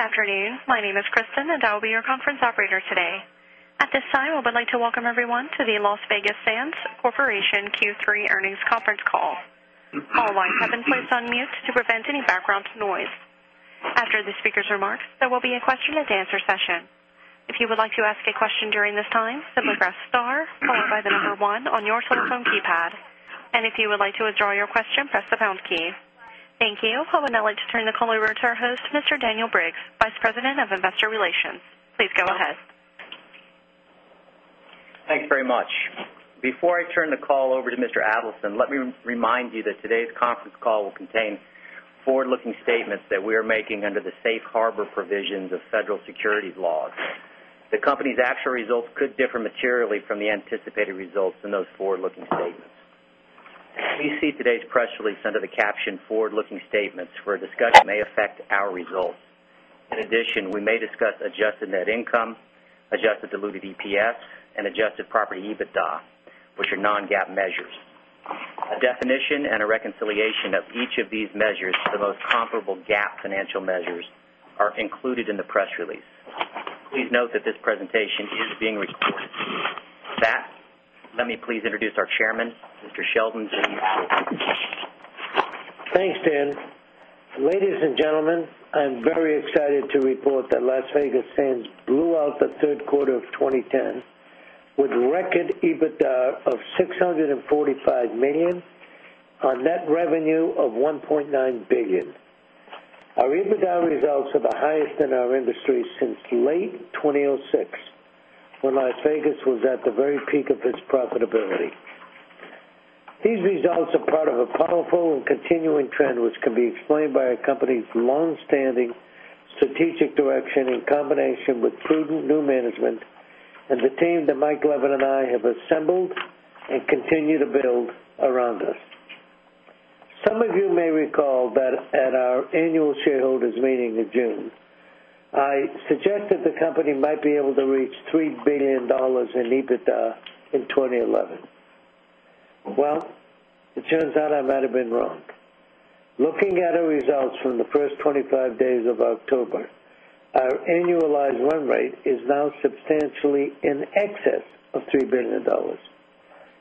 Good afternoon. My name is Kristen, and I will be your conference operator today. At this time, I would like to welcome everyone to the Las Vegas Sands Corporation Q3 Earnings Conference Call. All lines have been placed on mute to prevent any background noise. After the speakers' remarks, there will be a question and answer session. I would now like to turn the call over to our host, Mr. Daniel Briggs, Vice President of Investor Relations. Please go ahead. Thanks very much. Before I turn the call over to Mr. Adelson, let me remind you that today's conference call will contain forward looking statements that we are making under the Safe Harbor provisions of federal securities laws. The company's actual results could differ materially from results in those forward looking statements. Please see today's press release under the caption Forward Looking Statements for a discussion that may affect our results. In addition, we may discuss adjusted net income, adjusted diluted EPS and adjusted property EBITDA, which are non GAAP measures. A definition and a reconciliation of each of these measures to the most comparable GAAP financial measures are included in the press release. Please note that this presentation is being recorded. With that, let me please introduce our Chairman, Mr. Sheldon Zvi. Thanks, Dan. Ladies and gentlemen, I'm very excited to report that Las Vegas Sands blew out the Q3 of 2010 with record EBITDA of $645,000,000 on net revenue of 1,900,000,000 dollars Our EBITDA results are the highest in our industry since late 2006 when Las Vegas was at the very peak of its profitability. These results are part of a powerful and continuing trend, which can be explained by our company's long standing strategic direction in combination with prudent new management and the team that Mike Levin and I have assembled and continue to build around us. Some of you may recall that at our annual shareholders meeting in June, I suggested the company might be able to reach $3,000,000,000 in EBITDA in 2011. Well, it turns out I might have been wrong. Looking at our results from the 1st 25 days of October, our annualized run rate is now substantially in excess of $3,000,000,000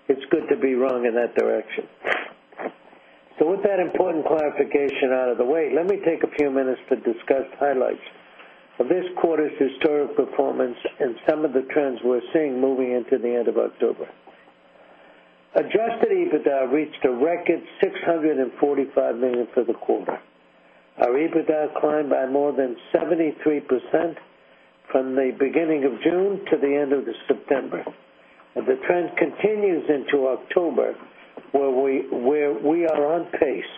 It's good to be wrong in that direction. So with that important clarification out of the way, let me take a few minutes to discuss highlights of this quarter's historic performance and some of the trends we're seeing moving into the end of October. Adjusted EBITDA reached a record $645,000,000 for the quarter. Our EBITDA climbed by more than 73% from the beginning of June to the end of the September. The trend continues into October, where we are on pace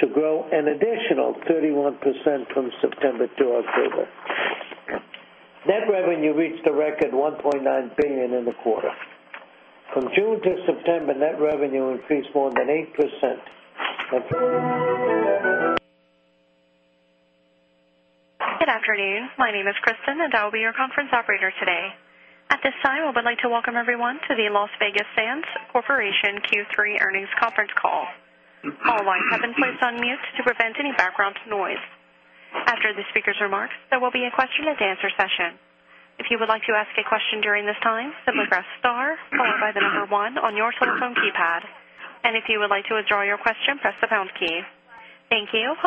to grow an additional 31% from September to October. Net revenue reached a record $1,900,000,000 in the quarter. From June to September, net revenue increased more than 8%. Good afternoon. My name is Kristen, and I will be your conference operator today. At this time, I would like to welcome everyone to the Las Vegas Sands Corporation Q3 Earnings Conference Call. All lines have been placed on mute to prevent any background noise. After the speakers' remarks, there will be a question and answer session. Thank you. I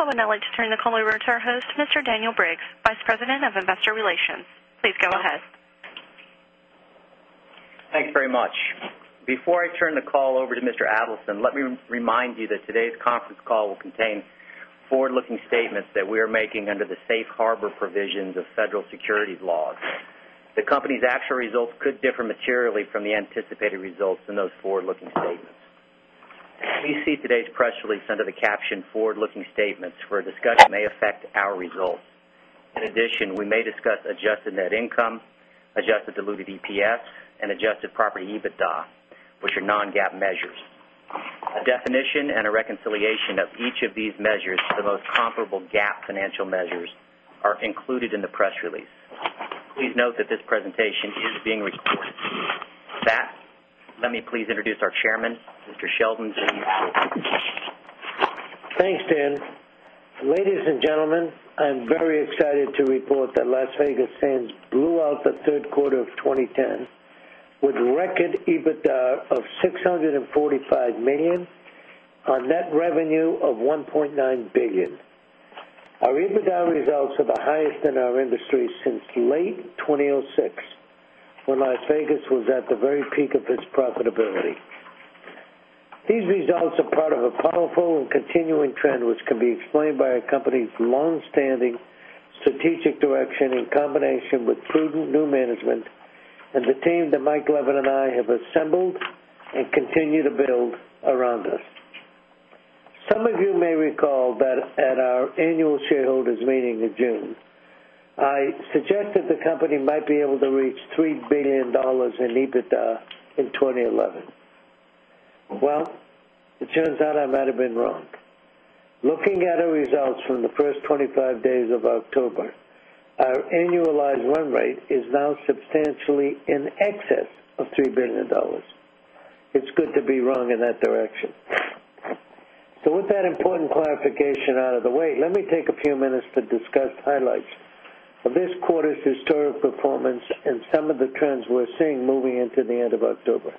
would now like to turn the call over to your host, Mr. Daniel Briggs, Vice President of Investor Relations. Please go ahead. Thanks very much. Before I turn the call over to Mr. Adelson, let me remind you that today's conference call will contain forward looking statements that we are making under the Safe Harbor provisions of federal securities laws. The company's actual results could differ materially from anticipated results in those forward looking statements. Please see today's press release under the caption Forward Looking Statements for a discussion that may affect our results. In addition, we may discuss adjusted net income, adjusted diluted EPS and adjusted property EBITDA, which are non GAAP measures. A definition and a reconciliation of each of these measures to the most comparable GAAP financial measures are included in the press release. Please note that this presentation is being recorded. With that, let me please introduce our Chairman, Mr. Sheldon Zvi. Thanks, Dan. Ladies and gentlemen, I'm very excited to report that Las Vegas Sands blew out the Q3 of 2010 with record EBITDA of $645,000,000 on net revenue of 1,900,000,000 dollars Our EBITDA results are the highest in our industry since late 2006, when Las Vegas was at the very peak of its profitability. These results are part of a powerful and continuing trend, which can be explained by our company's long standing strategic direction in combination with prudent new management and the team that Mike Levin and I have assembled and continue to build around us. Some of you may recall that at our Annual Shareholders Meeting in June, I suggested the company might be able to reach $3,000,000,000 in EBITDA in 2011. Well, it turns out I might have been wrong. Looking at our results from the 1st 25 days of October, our annualized run rate is now substantially in excess of $3,000,000,000 It's good to be wrong in that direction. So with that important clarification out of the way, let me take a few minutes to discuss highlights of this quarter's historic performance and some of the trends we're seeing moving into the end of October.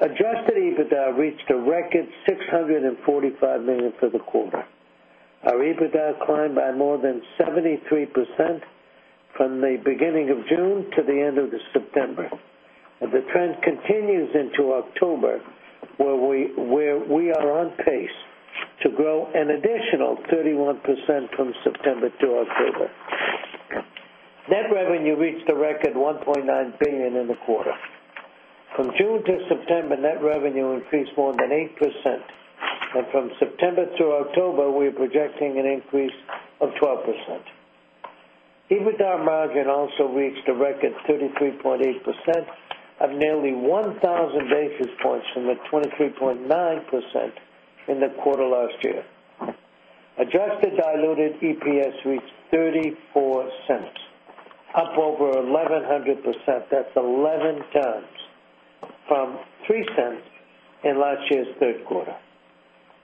Adjusted EBITDA reached a record $645,000,000 for the quarter. Our EBITDA climbed by more than 73% from the beginning of June to the end of the September. The trend continues into October, where we are on pace to grow an additional 31% from September to October. Net revenue reached a record $1,900,000,000 in the quarter. From June to September, net revenue increased more than 8%. And from September through October, we are projecting an increase of 12%. EBITDA margin also reached a record 33.8 percent, up nearly 1,000 basis points from the 23.9% in the quarter last year. Adjusted diluted EPS reached $0.34 up over 1100%, that's 11 times from $0.03 in last year's 3rd quarter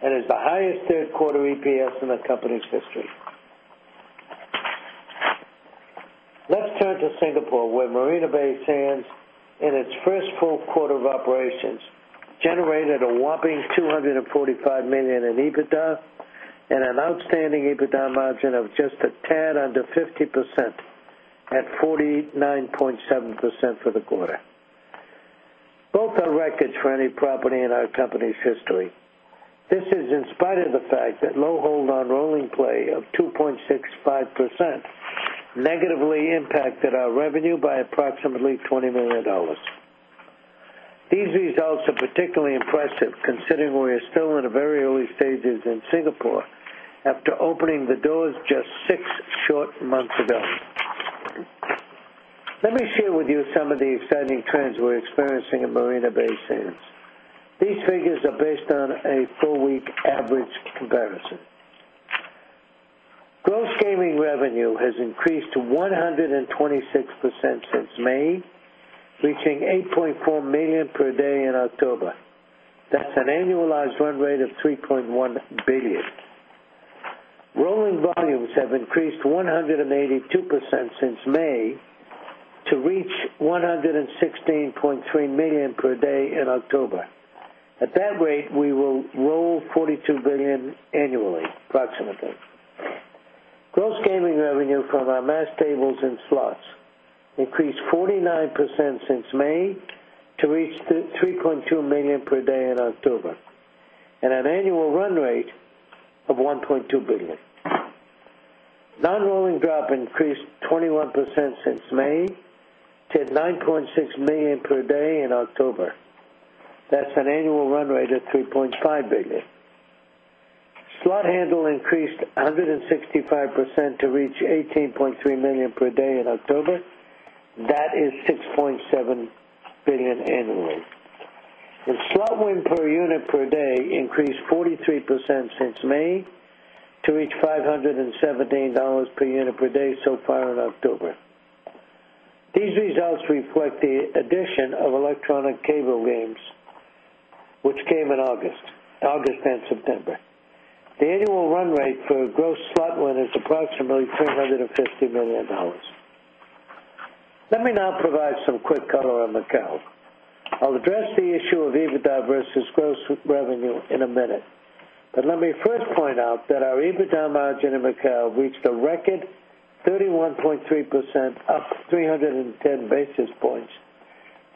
and is the highest third quarter EPS in the company's history. Let's turn to Singapore, where Marina Bay Sands in its first full quarter of operations, generated a whopping $245,000,000 in EBITDA and an outstanding EBITDA margin of just a 10% under 50% at 49.7% for the quarter. Both are records for any property in our company's history. This is in spite of the fact that low hold on rolling play of 2.6 5% negatively impacted our revenue by approximately $20,000,000 These results are particularly impressive considering we are still in a very early stages in Singapore after opening the doors just 6 short months ago. Let me share with you some of the exciting trends we're experiencing in Marina Bay Sands. These figures are based on a 4 week average comparison. Gross gaming revenue has increased to 126% since May, reaching $8,400,000 per day in October. That's an annualized run rate of $3,100,000,000 dollars Rolling volumes have increased 182 percent since May to reach $116,300,000 per day in October. At that rate, we will roll $42,000,000,000 annually approximately. Gross gaming revenue from our mass tables and slots increased 49% since May to reach $3,200,000 per day in October and an annual run rate of $1,200,000,000 Non rolling drop increased 21% since May to $9,600,000 per day in October. That's an annual run rate of $3,500,000,000 dollars Slot handle increased 165 percent to reach $18,300,000 per day in October. That is 6.7 $1,000,000,000 annually. The slot win per unit per day increased 43% since May to reach $5.17 per unit per day so far in October. These results reflect the addition of electronic cable games, which came in August September. The annual run rate for gross slot win is approximately $350,000,000 Let me now provide some quick color on Macau. I'll address the issue of EBITDA versus gross revenue in a minute. But let me first point out that our EBITDA margin in Macao reached a record 31.3%, up 3 10 basis points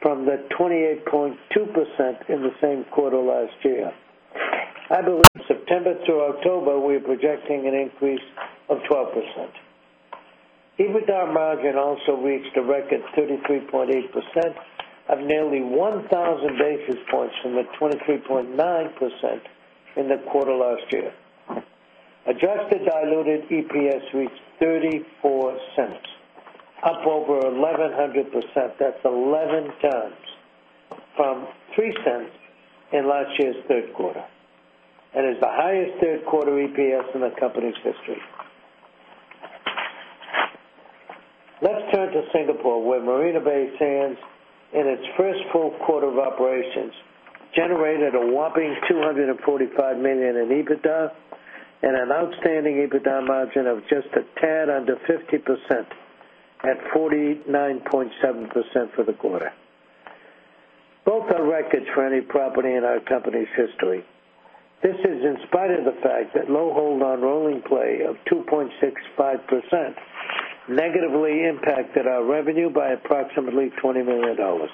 from the 28.2% in the same quarter last year. I believe September through October, we are projecting an increase of 12%. EBITDA margin also reached a record 33.8 percent, up nearly 1,000 basis points from the 23.9 percent in the quarter last year. Adjusted diluted EPS reached $0.34 up over 1100%, that's 11 times from $0.03 in last year's 3rd quarter. And is the highest third quarter EPS in the company's history. Let's turn to Singapore, where Marina Bay Sands in its first full quarter of operations generated a whopping $245,000,000 in EBITDA and an outstanding EBITDA margin of just a tad under 50% at 49.7% for the quarter. Both are records for any property in our company's history. This is in spite of the fact that low hold on rolling play of 2.6 5% negatively impacted our revenue by approximately $20,000,000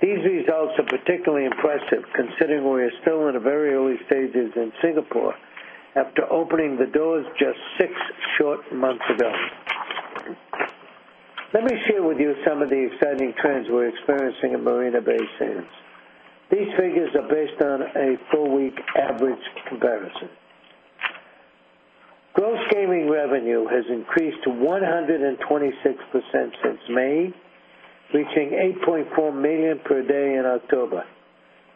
These results are particularly impressive considering we are still in a very early stages in Singapore after opening the doors just 6 short months ago. Let me share with you some of the exciting trends we're experiencing in Marina Bay Sands. These figures are based on a 4 week average comparison. Gross gaming revenue has increased to 126% since May, reaching $8,400,000 per day in October.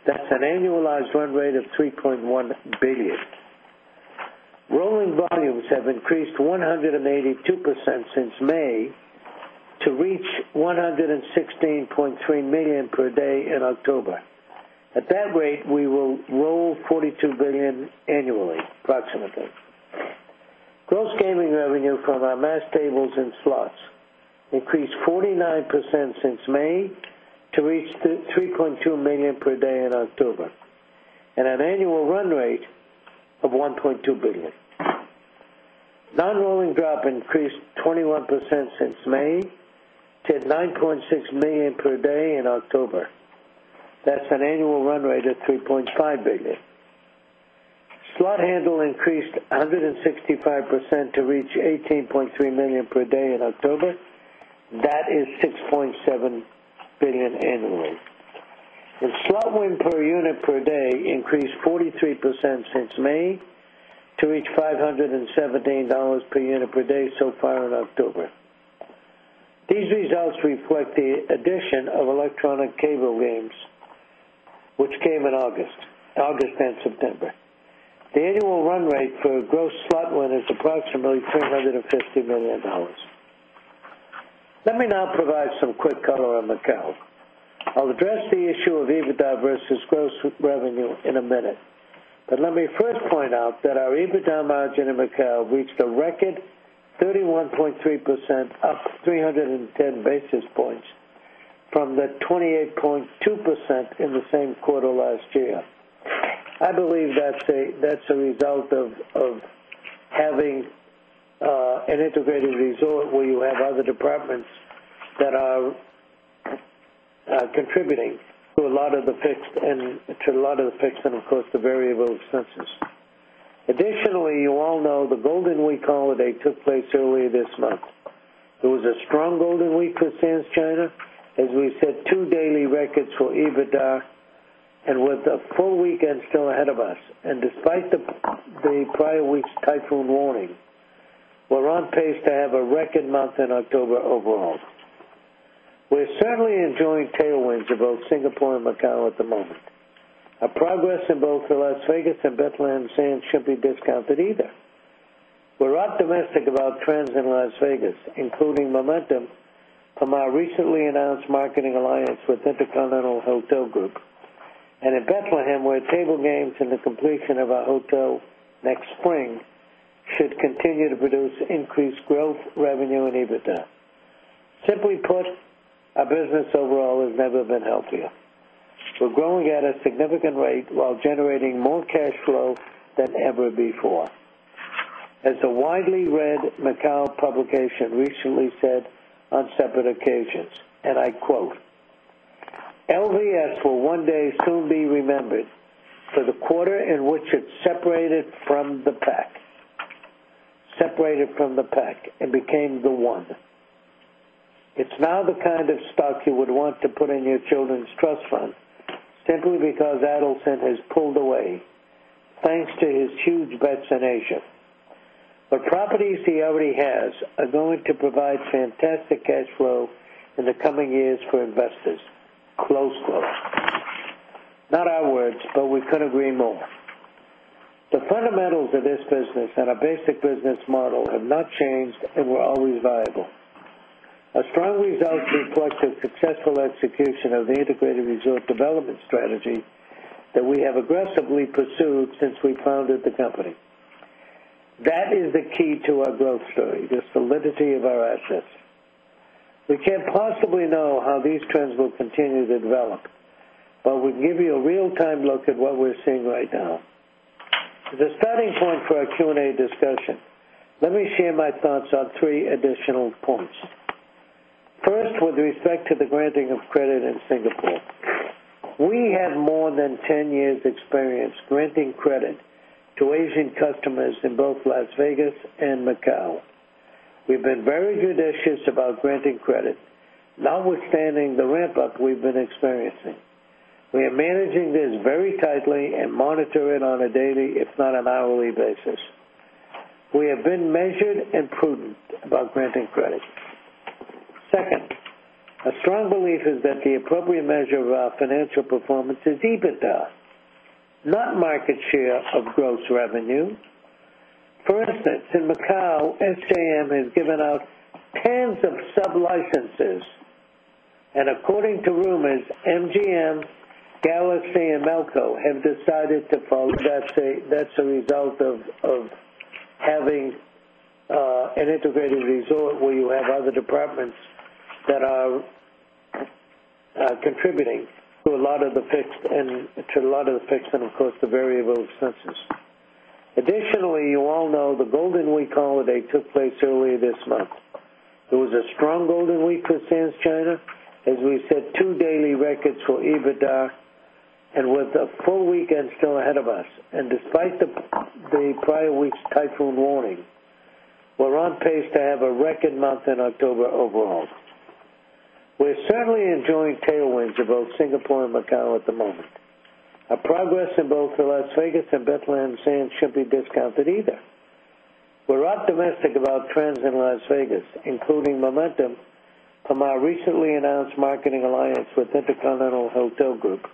That's an annualized run rate of $3,100,000,000 dollars Rolling volumes have increased 182 percent since May to reach $116,300,000 per day in October. At that rate, we will roll $42,000,000,000 annually approximately. Gross gaming revenue from our mass tables and slots increased 49% since May to reach $3,200,000 per day in October and an annual run rate of $1,200,000,000 Non rolling drop increased 21% since May to $9,600,000 per day in October. That's an annual run rate of $3,500,000,000 Slot handle increased 165 percent to reach $18,300,000 per day in October. That is $6,700,000,000 annually. The slot win per unit per day increased 43% since May to reach $5.17 per unit per day so far in October. These results reflect the addition of electronic cable games, which came in August September. The annual run rate for gross slot win is approximately $350,000,000 Let me now provide some quick color on Macao. I'll address the issue of EBITDA versus gross revenue in a minute. But let me first point out that our EBITDA margin in Macau reached a record 31.3%, up 3 10 basis points from the 28.2% in the same quarter last year. I believe that's a result of having an integrated resort where you have other departments that are contributing to a lot of the fixed and to a lot of the fixed and, of course, the variable expenses. Additionally, you all know the Golden Week holiday took place earlier this month. There was a strong Golden Week for Sands China as we set 2 daily records for EBITDA and with a full weekend still ahead of us. And despite the prior week's typhoon warning, we're on pace to have a record month in October overall. We're certainly enjoying tailwinds of both Singapore and Macau at the moment. Our progress in both the Las Vegas and Bethlehem Sands shouldn't be discounted either. We're optimistic about trends in Las Vegas, including momentum from our recently announced marketing alliance with InterContinental Hotel Group. And in Bethlehem, where table games and the completion of our hotel next spring should continue to produce increased growth, revenue and EBITDA. Simply put, our business overall has never been healthier. We're growing at a significant rate while generating more cash flow than ever before. As the widely read Macau publication recently said on separate occasions, and I quote, LVS will one day soon be remembered for the quarter in which it separated from the pack and became the one. It's now the kind of stock you would want to put in your children's trust fund simply because Adelson has pulled away, thanks to his huge bets in Asia. The properties he already has are going to provide fantastic cash flow in the coming years for investors. Close quotes. Not our words, but we couldn't agree more. The fundamentals of this business and our basic business model have not changed and were always viable. Our strong results reflect the successful execution of the integrated resort development strategy that we have aggressively pursued since we founded the company. That is the key to our growth story, the solidity of our assets. We can't possibly know how these trends will continue to develop, but we can give you a real time look at what we're seeing right now. As a starting point for our Q and A discussion, let me share my thoughts on 3 additional points. First, with respect to the granting of credit in Singapore. We have more than 10 years experience granting credit to Asian customers in both Las Vegas and Macau. We've been very judicious about granting credit, notwithstanding the ramp up we've been experiencing. We are managing this very tightly and monitor it on a daily, if not an hourly basis. We have been measured and prudent about granting credit. 2nd, our strong belief is that the appropriate measure of our financial performance is EBITDA, not market share of gross revenue. For instance, in Macau, SJM has given out tens of sublicenses. And according to rumors, MGM, Galaxy and Melco have decided to follow. That's a result of having an integrated resort where you have other departments that are contributing to a lot of the fixed and to a lot of the fixed and of course, the variable expenses. Additionally, you all know the Golden Week holiday took place earlier this month. It was a strong Golden Week for Sands China as we set 2 daily records for EBITDA and with a full weekend still ahead of us. And despite the prior week's typhoon warning, we're on pace to have a record month in October overall. We're certainly enjoying tailwinds of both Singapore and Macau at the moment. Our progress in both the Las Vegas and Bethlehem Sands shouldn't be discounted either. We're optimistic about trends in Las Vegas, including momentum from our recently announced marketing alliance with InterContinental Hotel Group.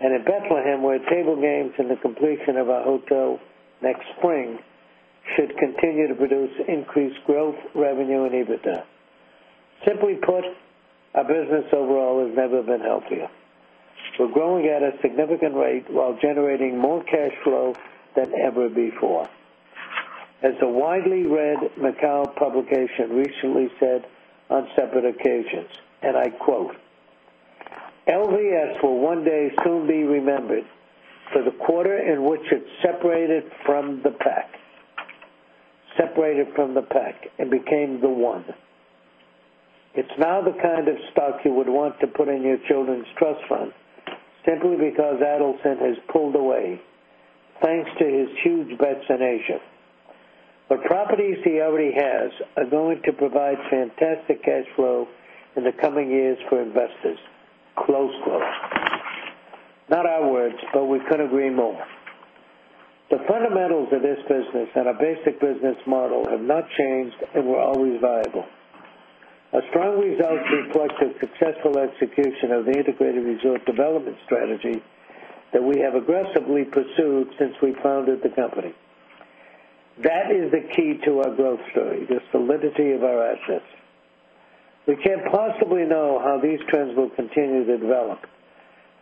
And in Bethlehem, where table games and the completion of our hotel next spring should continue to produce increased growth, revenue and EBITDA. Simply put, our business overall has never been healthier. We're growing at a significant rate while generating more cash flow than ever before. As a widely read Macau publication recently said on separate occasions, and I quote, LVS will one day soon be remembered for the quarter in which it separated from the pack separated from the pack and became the one. It's now the kind of stock you would want to put in your children's trust fund simply because Adelson has pulled away, thanks to his huge bets in Asia. The properties he already has are going to provide fantastic cash flow in the coming years for investors, close growth. Not our words, but we couldn't agree more. The fundamentals of this business and our basic business model have not changed and were always viable. Our strong results reflect the successful execution of the integrated resort development strategy that we have aggressively pursued since we founded the company. That is the key to our growth story, the solidity of our assets. We can't possibly know how these trends will continue to develop,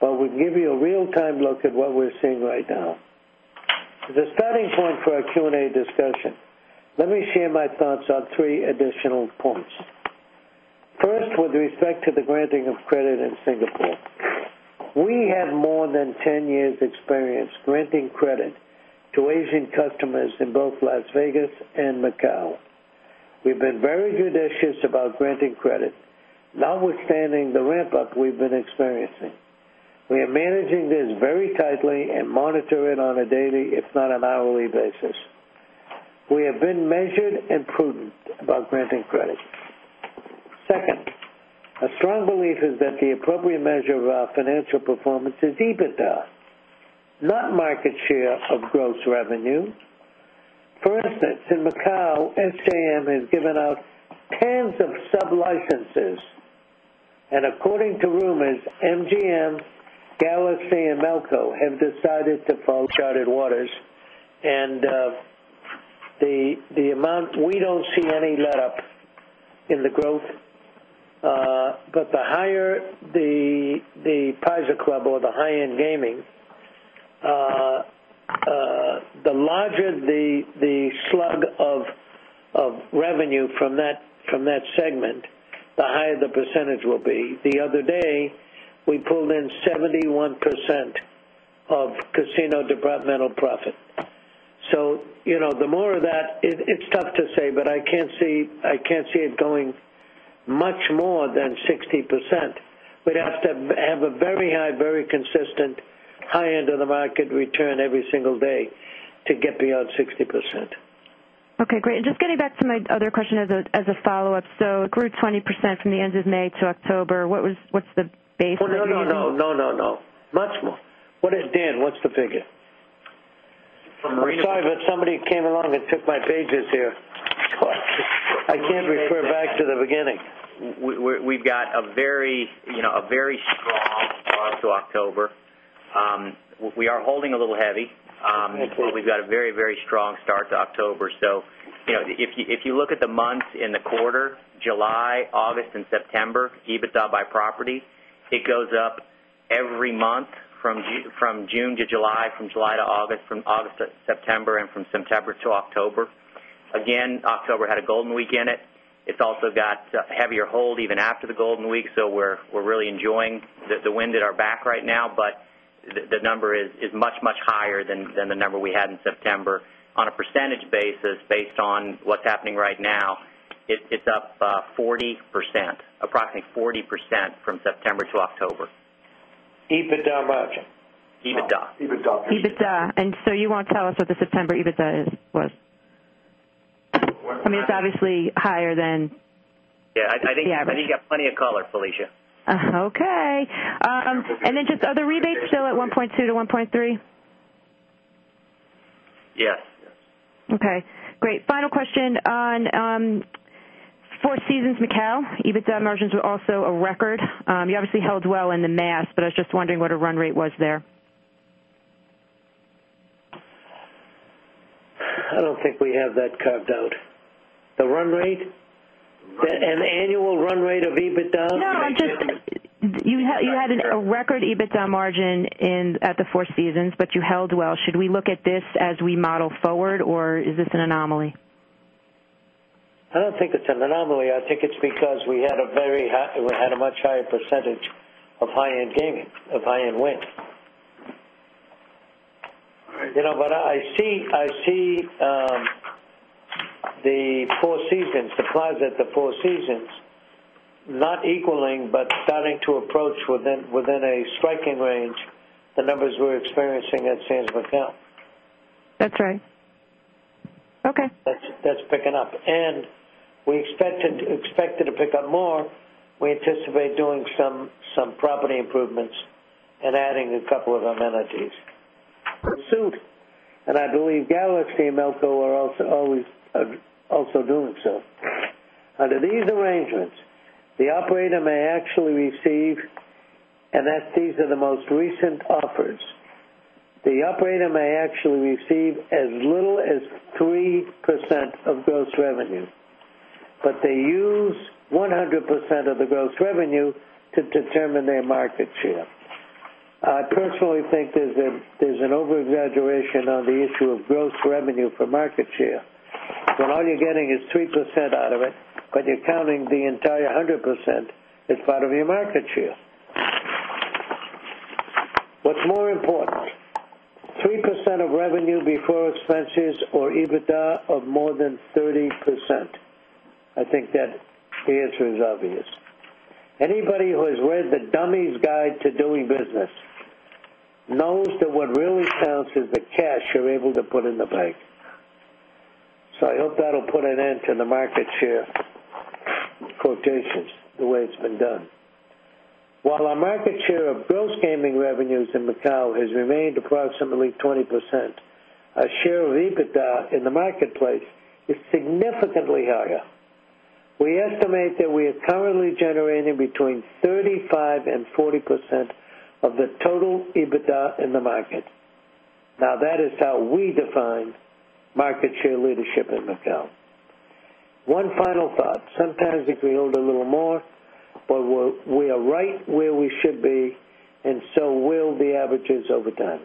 but we can give you a real time look at what we're seeing right now. As a starting point for our Q and A discussion, let me share my thoughts on 3 additional points. First, with respect to the granting of credit in Singapore. We have more than 10 years experience granting credit to Asian customers in both Las Vegas and Macau. We've been very judicious about granting credit, notwithstanding the ramp up we've been experiencing. We are managing this very tightly and monitor it on a daily, if not an hourly basis. We have been measured and prudent about granting credit. 2nd, a strong belief is that the appropriate measure of our financial performance is EBITDA, not market share of gross revenue. For instance, in Macau, SJM has given out tens of sublicenses. And according to rumors, MGM, Galaxy and Melco have decided to follow Charted Waters. And the amount we don't see any let up in the growth, but the higher the Pisa Club or the high end gaming, the larger the slug of revenue from that segment, the higher the percentage will be. The other day, we pulled in 71% of Casino Departmental Profit. So the more of that, it's tough to say, but I can't see it going much more than 60%. We'd have to have a very high, very consistent high end of the market return every single day to get beyond 60%. Okay, great. And just getting back to my other question as a follow-up. So it grew 20% from the end of May to October. What was what's the basis for that? No, no, no, no, no, no. Much more. What is Dan? What's the figure? From Marine? I'm sorry, but somebody came along and took my pages here. I can't refer back to the beginning. We've got a very strong start to October. We are holding a little heavy. We've got a very, very strong start to October. So if you look at the months in the quarter, July, August September EBITDA by property, it goes up every month from June to July, from our back right now. But we're really enjoying the wind at our back right now. But we're really enjoying the wind at our back the golden week. So we're really enjoying the wind at our back right now, but the number is much, much higher than the number we had in September. On a percentage basis, based on what's happening right now, it's up 40%, approximately 40% from September to October. EBITDA margin? EBITDA. EBITDA. EBITDA. And so you won't tell us what the September EBITDA was? I mean, it's obviously higher than Yes. I think you got plenty of color, Felicia. Okay. And then just are the rebates still at 1.2 to 1.3? Yes. Okay. Great. Final question on 4 Seasons Macau, EBITDA margins were also a record. You obviously held well in the mass, but I was just wondering what a run rate was there? I don't think we have that carved out. The run rate? And annual run rate of EBITDA No, I just you had a record EBITDA margin in at the Four Seasons, but you held well. Should we look at this as we model forward? Or is this an anomaly? I don't think it's an anomaly. I think it's because we had a very we had a much higher percentage of high end gaming of high end win. But I see the Four Seasons supplies at the Four Seasons not equaling, but starting to approach within a striking range the numbers we're experiencing at Sands Macau. That's right. Okay. That's picking up. And we expected to pick up more. We anticipate doing some property improvements and adding a couple of amenities. We'll soon. And I believe Galaxy and ELCO are also doing so. Under these arrangements, the operator may actually receive and that these are the most recent offers. The operator may actually receive as little as 3% of gross revenue, but they use 100% of the gross revenue to determine their market share. I personally think is an over exaggeration on the issue of gross revenue for market share. When all you're getting is 3% out of it, but you're counting the entire 100% as part of your market share. What's more important, 3% of revenue before expenses or EBITDA of more than 30%. I think that the answer is obvious. Anybody who has read the Dummy's Guide to Doing Business knows that what really counts is the cash you're able to put in the bank. So I hope that will put an end to the market share quotations the way it's been done. While our market share of gross gaming revenues in Macau has remained approximately 20%, our share of EBITDA in the marketplace is significantly higher. We estimate that we are currently generating between 35% 40% of the total EBITDA in the market. Now that is how we define market share leadership in Macau. One final thought, sometimes if we hold a little more, but we are right where we should be and so will the averages over time.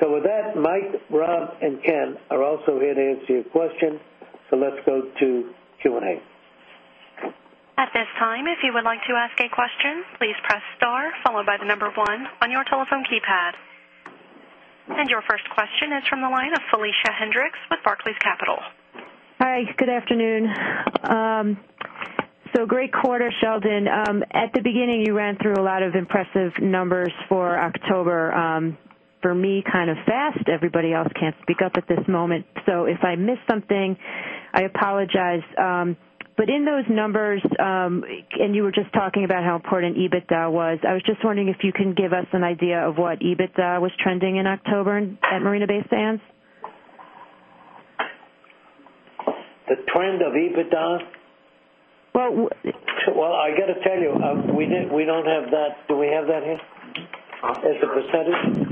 So with that, Mike, Rob and Ken are also here to answer your questions. So let's go to Q and A. And your first question is from the line of Felicia Hendrix with Barclays Capital. Hi, good afternoon. So great quarter, Sheldon. At the beginning, you ran through a lot of impressive numbers for October for me kind of fast. Everybody else can't speak up at this moment. So if I miss something, I apologize. But in those numbers and you were just talking about how important EBITDA was, I was just wondering if you can give us an idea of what EBITDA was trending in October at Marina Bay Sands? The trend of EBITDA? Well Well, I got to tell you, we don't have that do we have that here as a percentage? No,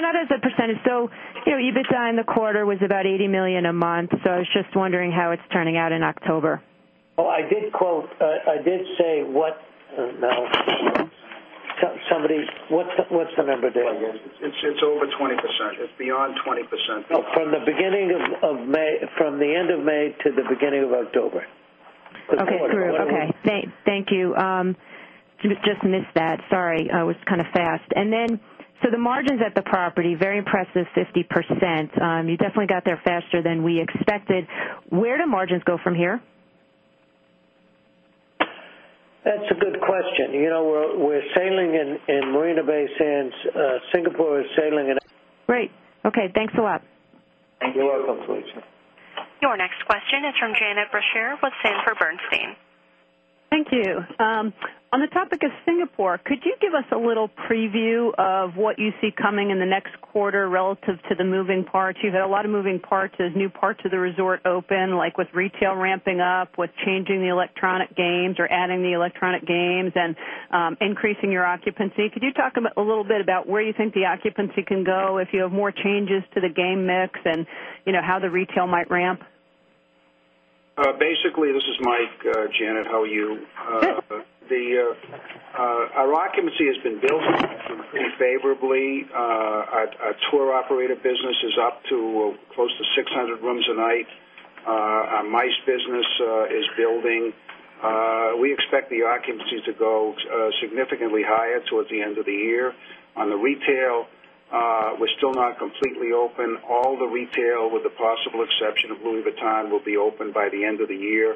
not as a percentage. So EBITDA in the quarter was about $80,000,000 a month. So I was just wondering how it's turning out in October. Well, I did quote I did say what somebody what's the member there? It's over 20%. It's beyond 20%. From the beginning of May from the end of May to the beginning of October. Okay. Thank you. You just missed that. Sorry, I was kind of fast. And then so the margins at the property, very impressive 50%. You definitely got there faster than we expected. Where do margins go from here? That's a good question. We're sailing in Marina Bay Sands. Singapore is sailing in. Great. Okay. Thanks a lot. You're welcome, Felicia. Your next question is from Janet Boucher with Sanford Bernstein. Thank you. On the topic of Singapore, could you give us a little preview of what you see coming in the next quarter relative to the moving parts? You've had a lot of moving parts as new parts of the resort open like with retail ramping up, with changing the electronic games or adding the increasing your occupancy. Could you talk a little bit about where you think the occupancy can go if you have more changes to the game mix and how the retail might ramp? Basically, this is Mike, Janet. How are you? Our occupancy has been built pretty favorably. Our tour operator business is up to close to 600 rooms a night. Our MICE business is building. We expect the occupancy to go significantly higher towards the end of the year. On the retail, we're still not completely open. All the retail with the possible exception of Louis Vuitton will be open by the end of the year.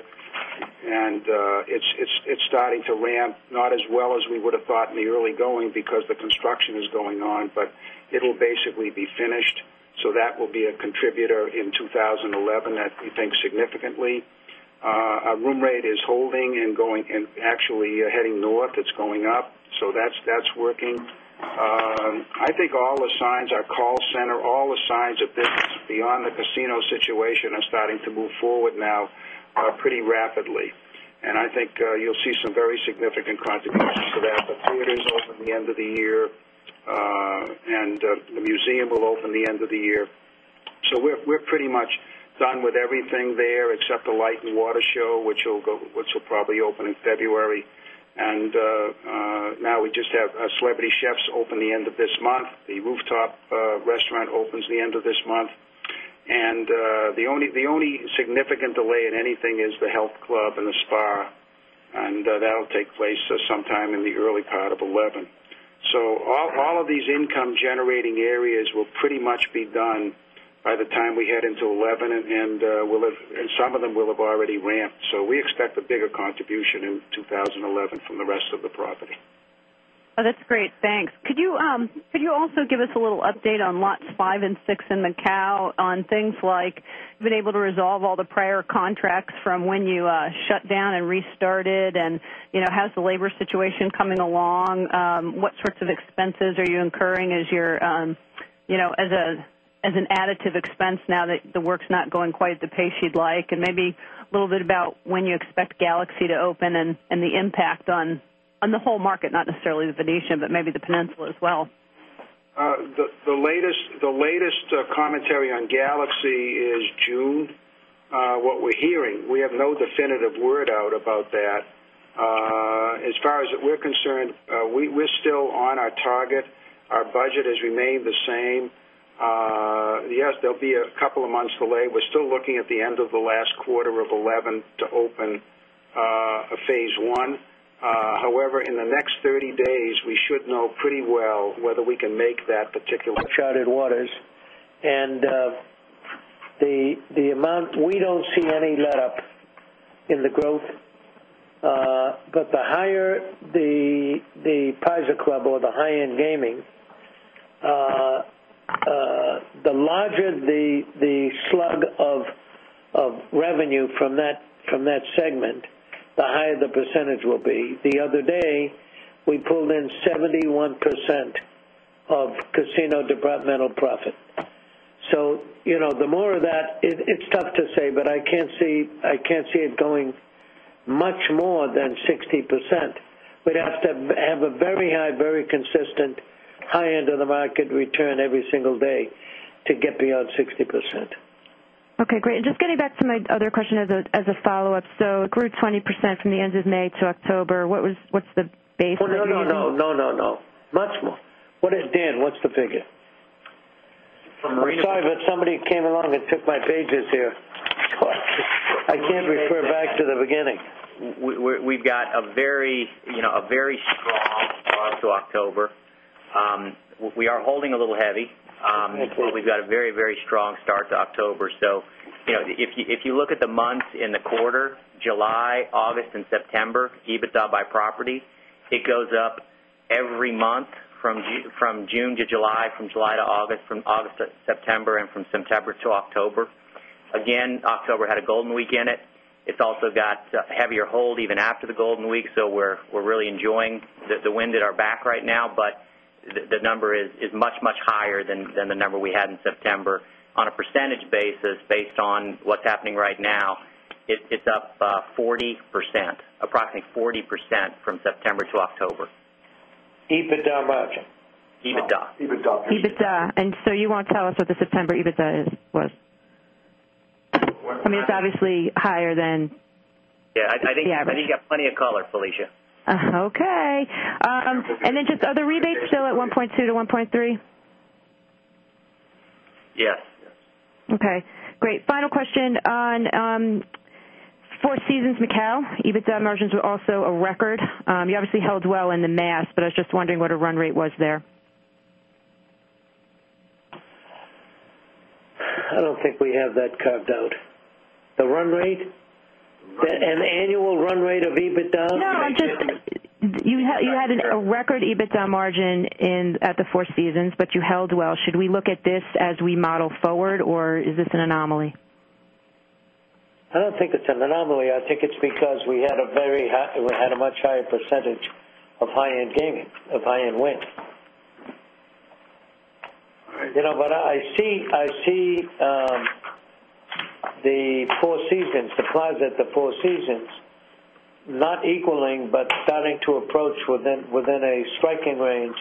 And it's starting to ramp not as well as we would have thought in the early going because the construction is going on, but it contributor in 2011 that we think significantly. Our room rate is holding and going and actually heading north, it's going up. So that's working. I think all the signs our call center, all the signs of business beyond the casino situation are starting to move forward now are pretty rapidly. And I think you'll see some very significant contributions to that. The theaters open the end of the year and the museum will open the end of the year. So we're pretty much done with everything there except the Light and Water Show, which will probably open in February. And now we just have celebrity chefs open the end of this month. The rooftop restaurant opens the end of this month. And the only significant delay in anything is the health club and the spa and that will take place sometime in the early part of 2011. So all of these income generating areas will pretty much be done by the time we head into 2011 and we'll have and some of them will have already ramped. So we expect a bigger contribution in 2011 from the rest of the property. That's great. Thanks. Could you also give us a little update on lots 56 in Macau on things like you've been able to resolve all the prior contracts from when you shut down and restarted and how is the labor situation coming along? What sorts of expenses are you incurring as you're as an additive expense now that the work is not going quite at the pace you'd like? And maybe a little bit about when you expect Galaxy to open and the impact on the whole market, not necessarily The Venetian, but maybe the Peninsula as well? The latest commentary on Galaxy is June. What we're hearing, we have no definitive word out about that. As far as we're concerned, we're still on our target. Our budget has remained the same. Yes, there'll be a couple of months delay. We're still looking at the end of the last quarter of 2011 to open a Phase 1. However, in the next 30 days, we should know pretty well whether we can make that particular Chartered Waters. And the amount we don't see any let up in the growth, But the higher the Pisa Club or the high end gaming, the larger the slug of revenue from that segment, the higher the percentage will be. The other day, we pulled in 71% of casino departmental profit. So the more of that, it's tough to say, but I can't see it going much more than 60%. We'd have to have a very high, very consistent high end of the market return every single day to get beyond 60%. Okay, great. And just getting back to my other question as a follow-up. So it grew 20% from the end of May to October. What's the basis? No, no, no, no, no, no. Much more. What is Dan? What's the figure? From the year. I'm sorry that somebody came along and took my pages here. I can't refer back to the beginning. We've got a very strong start to October. We are holding a little heavy. We've got a very, very strong start to October. So if you look at the months in the quarter, July, August September EBITDA by property, It goes up every month from June to July, from July to August, from August September and from September to October. Again, October had a golden week in it. It's also got heavier hold even after the golden week. So we're really enjoying the wind at our back right now, but the number is much, much higher than the number we had in September. On a percentage basis based on what's happening right now, it's up 40%, approximately 40% from September to October. EBITDA margin? EBITDA. EBITDA. EBITDA. And so you won't tell us what the September EBITDA is was? I mean, it's obviously higher than Yes. I think you got plenty of color, Felicia. Okay. And then just are the rebates still at 1.2 to 1.3? Yes. Okay, great. Final question on 4 Seasons Macau, EBITDA margins were also a record. You obviously held well in the mass, but I was just wondering what a run rate was there? I don't think we have that carved out. The run rate and annual run rate of EBITDA No, I just you had a record EBITDA margin in at the Four Seasons, but you held well. Should we look at this as we model forward? Or is this an anomaly? I don't think it's an anomaly. I think it's because we had a very we had a much higher percentage of high end gaming of high end win. But I see the 4 seasons the Plaza of the 4 seasons not equaling, but starting to approach within a striking range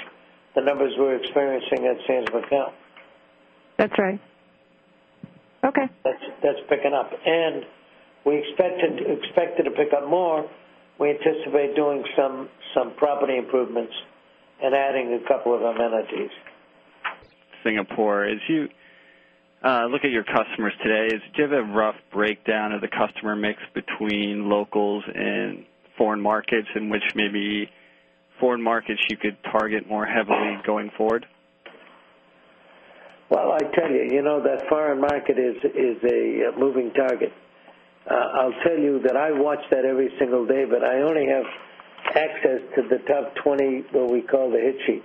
the numbers we're experiencing at Sands Macquariell. That's right. Okay. That's picking up. And we expected to pick up more. We anticipate doing some property improvements and adding a couple of amenities. Singapore, as you look at your customers today, do you have a rough breakdown of the customer mix between locals and foreign markets in which maybe foreign markets you could target more heavily going forward? Well, I tell you, that foreign market is a moving target. I'll tell you that I watch that every single day, but I only have access to the top 20, what we call the hit sheet,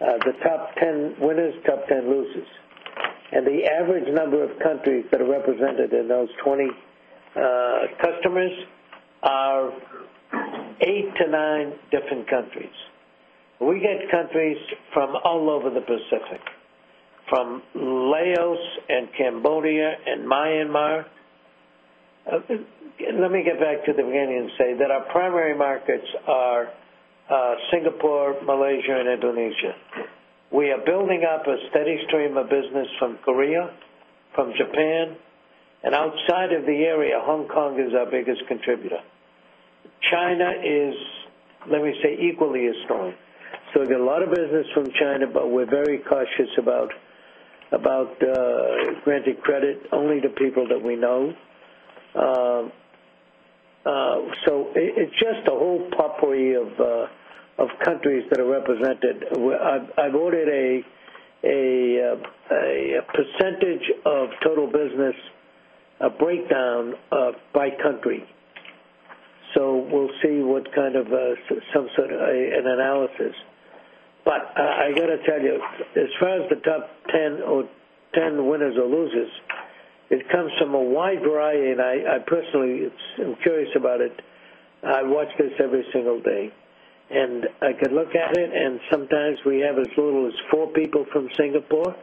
the top 10 winners, top 10 losers. And the average number of countries that are represented in those 20 customers are 8 to 9 different countries. We get countries from all over the Pacific, from Laos and Cambodia and Myanmar. Let me get back to the beginning and say that our primary markets are Singapore, Malaysia and Indonesia. We are building up a steady stream of business from Korea, from Japan and outside of the area, Hong Kong is our biggest contributor. China is, let me say, equally as strong. So we got a lot of business from China, but we're very cautious about granting credit only to people that we know. So it's just a whole property of countries that are represented. I've ordered a percentage of total business, a breakdown by country. So we'll see what kind of some sort of an analysis. But I got to tell you, as far as the top 10 winners or losers, it comes from a wide variety and I personally am curious about it. I watch this every single day. And I can look at it and sometimes we have as little as 4 people from Singapore,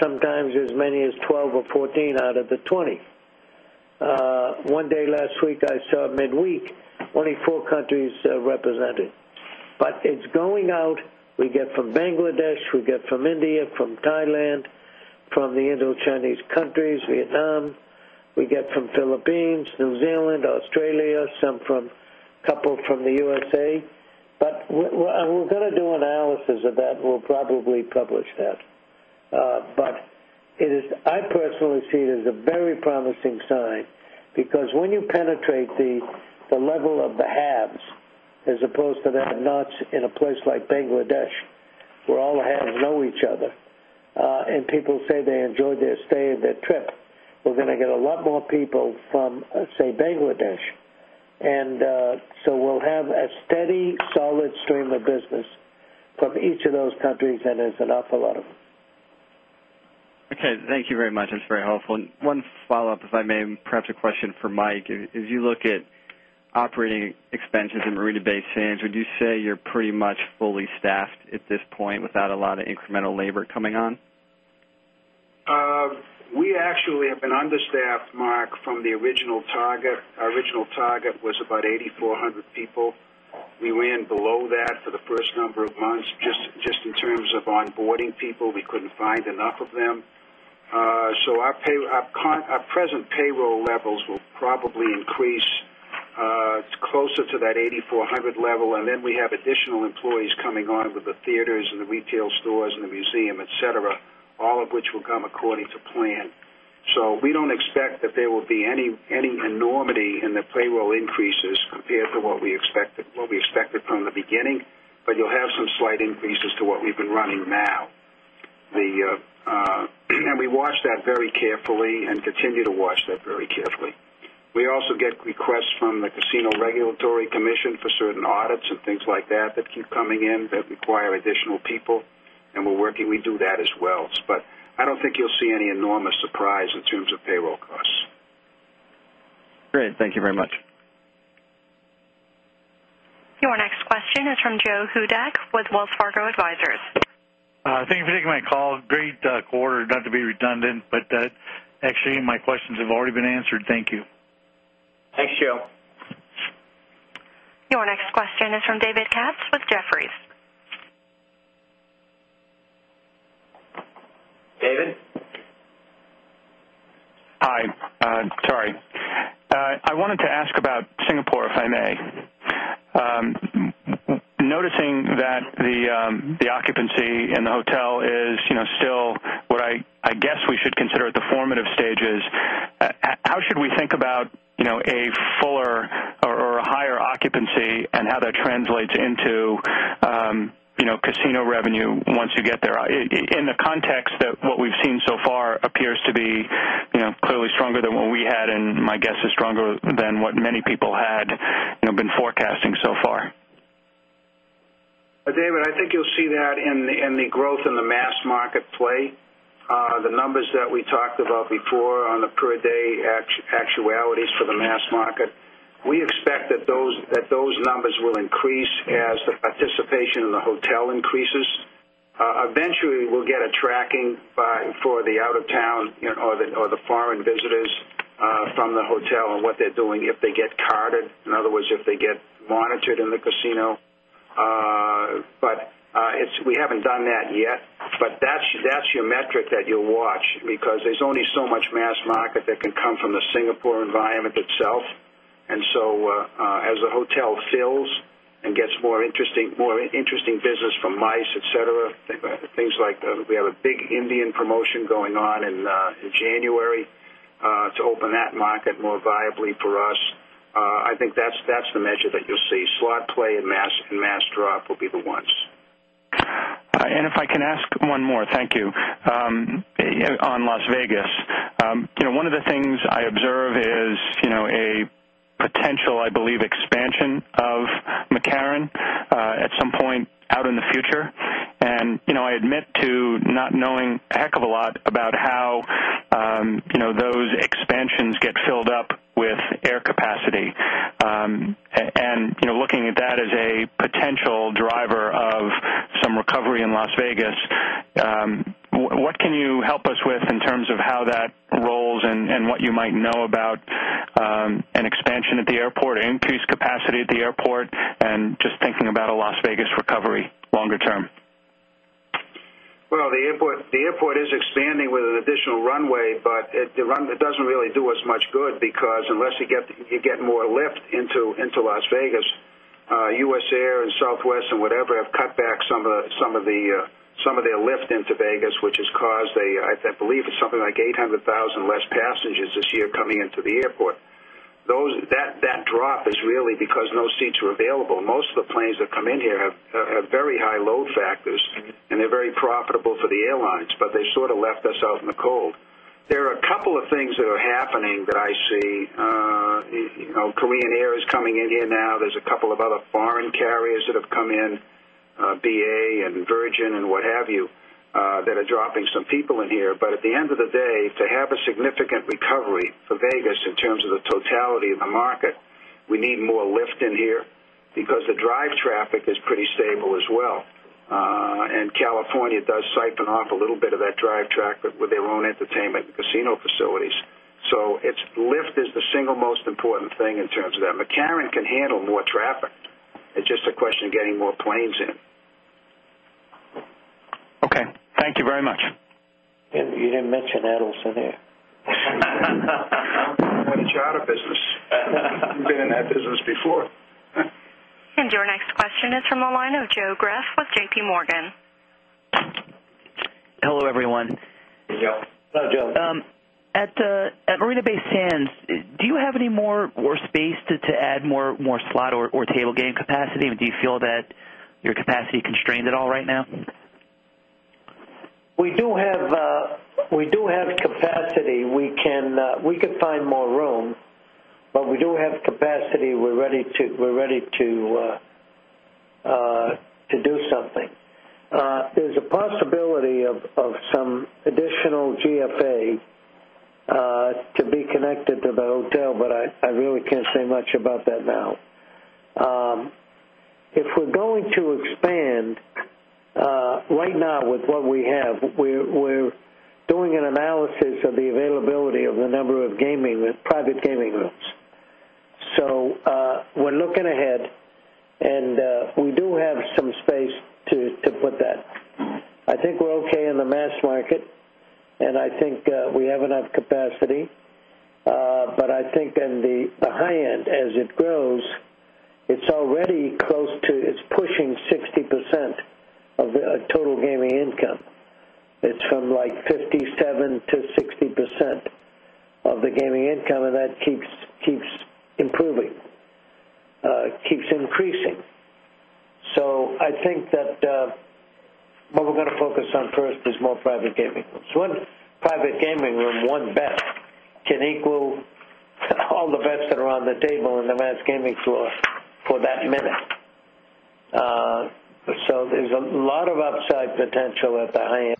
sometimes as many as 12 or 14 out of the 20. One day last week, I saw midweek, 24 countries represented. But it's going out. We get from Bangladesh, we get from India, from Thailand, from the Indo Chinese countries, Vietnam, We get from Philippines, New Zealand, Australia, some from couple from the USA. But we're going to do analysis of that. We'll probably publish that. But it is I personally see it as a very promising sign because when you penetrate the level of the haves as opposed to that nots in a place like Bangladesh, where all haves know each other and people say they enjoyed their stay and their trip, we're going to get a lot more people from, say, Bangladesh. And so we'll have a steady solid stream of business from each of those countries and there's an awful lot of them. Them. Okay. Thank you very much. That's very helpful. And one follow-up if I may and perhaps a question for Mike. As you look at operating expenses in Marina Bay Sands, would you say you're pretty much fully staffed at this point without a lot of incremental labor coming on? We actually have been understaffed, Mark, from the original target. Our original target was about 8,400 people. We ran below that for the 1st number of months just in terms of on boarding people. We couldn't find enough of them. So our pay our present payroll levels will probably increase closer to that 8,000 400 level and then we have additional employees coming on with the theaters and the retail stores and the museum, etcetera, all of which will come according to plan. So we don't expect that there will be any enormity in the payroll increases compared to what we expected from the beginning, but you'll have some slight increases to what we've been running now. And we watch that very carefully and continue to watch that very carefully. We also get requests from the Casino Regulatory Commission for certain audits and things like that that keep coming in that require additional people David? Hi, sorry. I wanted to ask about Singapore, if I may. Noticing that the occupancy in the hotel is still what I guess we should consider at the formative stages. How should we think about a fuller or a higher occupancy and how that translates into casino revenue once you get there? In the context that what we've seen so far appears to be clearly stronger than what we had and my guess is stronger than what many people had been forecasting so far? David, I think you'll see that in the growth in the mass market play. The numbers that we talked about before on the per day actualities for the mass market, we expect that those numbers will increase as the participation in the hotel increases. Eventually, we'll get a tracking for the out of town or the foreign visitors from the hotel and what they're doing if they get carded. In other words, if they get monitored in the casino. But it's we haven't done that yet. But that's your metric that you watch because there's only so much mass market that can come from the Singapore environment itself. And so as the hotel fills and gets more interesting business from MICE, etcetera, things like we have a big Indian promotion going on in January to open that market more viably for us. I think that's the measure that you'll see slot play and mass drop will be the ones. And if I can ask one more. Thank you. On Las Vegas, one of the things I observe is a potential, I believe, expansion of McCarran at some point out in the future. And I admit to not knowing heck of a lot about how those expansions get filled up Well, the airport is expanding with an additional runway, but it doesn't really do us much good because unless you get more lift into Las Vegas, U. S. Air and Southwest and whatever have cut back some of their lift into Vegas, which has caused I believe something like 800,000 less passengers this year coming into the airport. Those that drop is really because no seats are available. Most of the planes that come in here have very high load factors and they're very profitable for the airlines, but they sort of left us out in the cold. There are a couple of things that are happening that I see. Korean Air is coming in here now. There's a couple of other foreign carriers that have come in, BA and Virgin and what have you that are dropping some people in here. But at the end of the day, to have a significant recovery for Vegas in terms of the totality of the market, We need more lift in here because the drive traffic is pretty stable as well. And California does siphon a little bit of that drive track with their own entertainment and casino facilities. So it's lift is the single most important thing in terms of that. McCarran can handle more traffic. It's just a question of getting more planes in. Okay. Thank you very much. And you didn't mention Adelson there. In the charter business. We've been in that business before. And your next question is from the line of Joe Greff with JPMorgan. Hello, everyone. Hey, Joe. Hello, Joe. At Arena Bay Sands, you have any more space to add more slot or table game capacity? Do you feel that your capacity constrained at all right now? We do have capacity. We can find more room, but we do have capacity. We're ready to do something. There's a possibility of some additional GFA to be connected to the hotel, but I really can't say much about that now. If we're going to expand, right now with what we have, we're doing an analysis of the availability of the number of private gaming rooms. So we're looking ahead and we do have some space to put that. I think we're okay in the mass market and I think we have enough capacity. But I think in the high end as it grows, it's already close to it's pushing 60% of total gaming income. It's from like 57% to 60% of the gaming income and that keeps improving, keeps increasing. So I think that what we're going to focus on first is more private gaming. So when private gaming room, 1 bet can equal all the bets that are on the table in the mass gaming floor for that minute. So there's a lot of upside potential at the high end.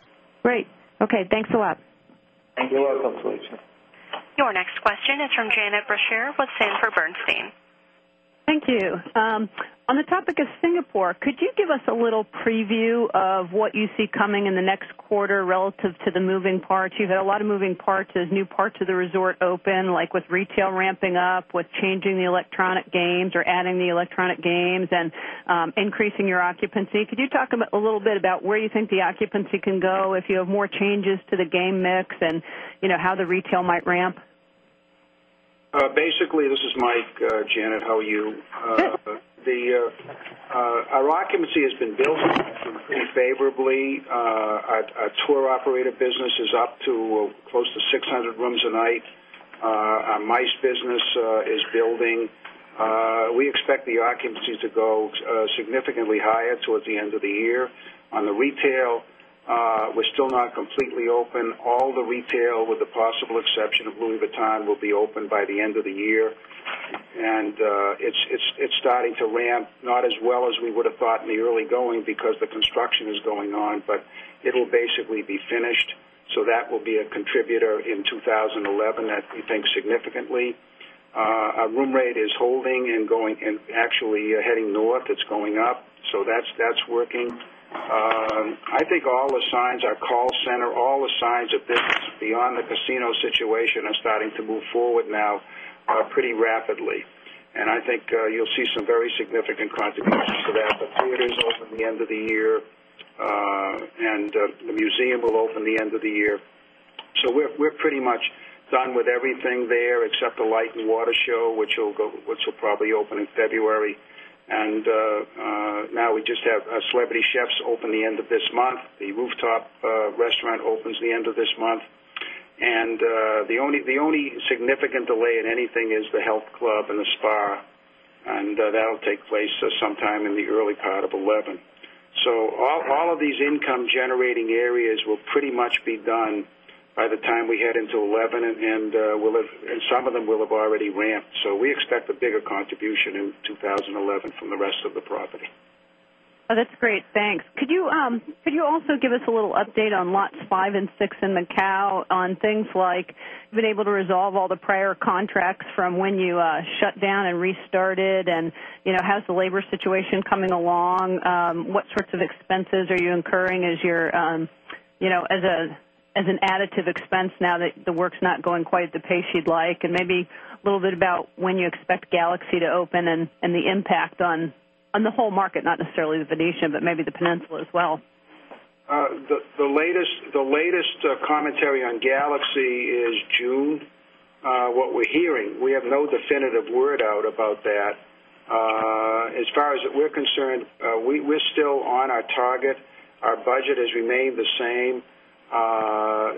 We're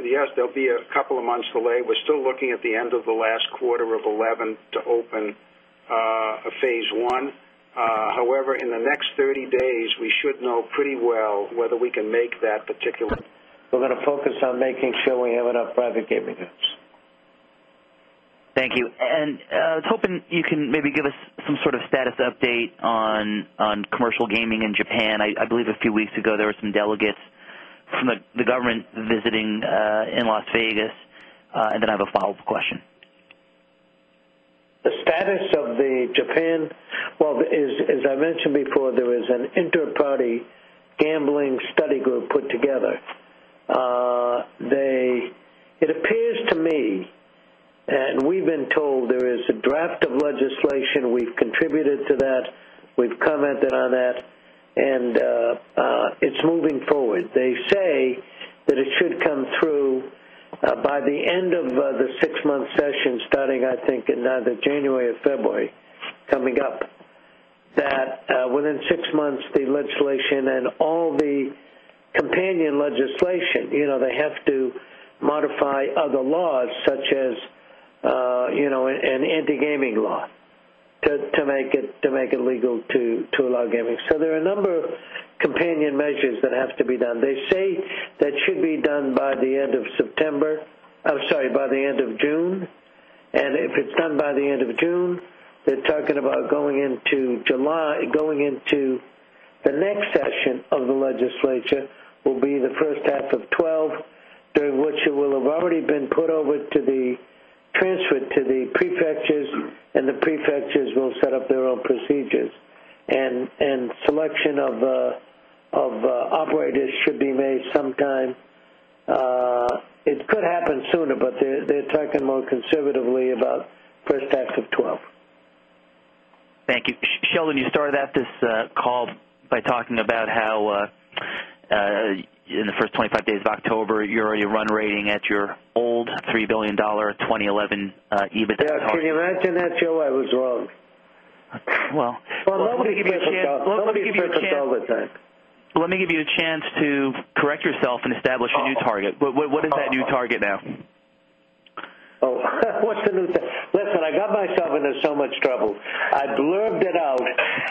going to focus on making sure we have enough private gaming news. Thank you. And I was hoping you can maybe give us some sort of status update on commercial gaming in Japan. I believe a few weeks ago there were some delegates from the government visiting in Las Vegas. And then I have a follow-up question. The status of the Japan, well, as I mentioned before, there is an interparty gambling study group put together. They it appears to me and we've been told there is a draft of legislation. We've contributed to that. We've commented on that and it's moving forward. They say that it should come through by the end of the 6 month session starting, I think, in January or February coming up that within 6 months, the legislation and all the companion legislation, they have to modify other laws such as an anti gaming law to make it legal to allow gaming. So there are a number of companion measures that have to be done. They say that should be done by the end of September I'm sorry, by the end of June. And if it's done by the end of June, they're talking about going into July going into the next session of the legislature will be the first half of twenty twelve, which will have already been put over to the transferred to the prefectures and the prefectures will set up their own procedures. And selection of operators should be made sometime. It could happen sooner, but they're talking more conservatively about first half of twenty twelve. Thank you. Sheldon, you started out this call by talking about how in the 1st 25 days of October, your run rating at your old $3,000,000,000 $2011,000,000 EBITDA target. Yes. Can you imagine that, Joe? I was wrong. Well, let me give you a chance to correct yourself and establish a new target. What is that new target now? What's the new thing? Listen, I got myself into so much trouble. I blurbed it out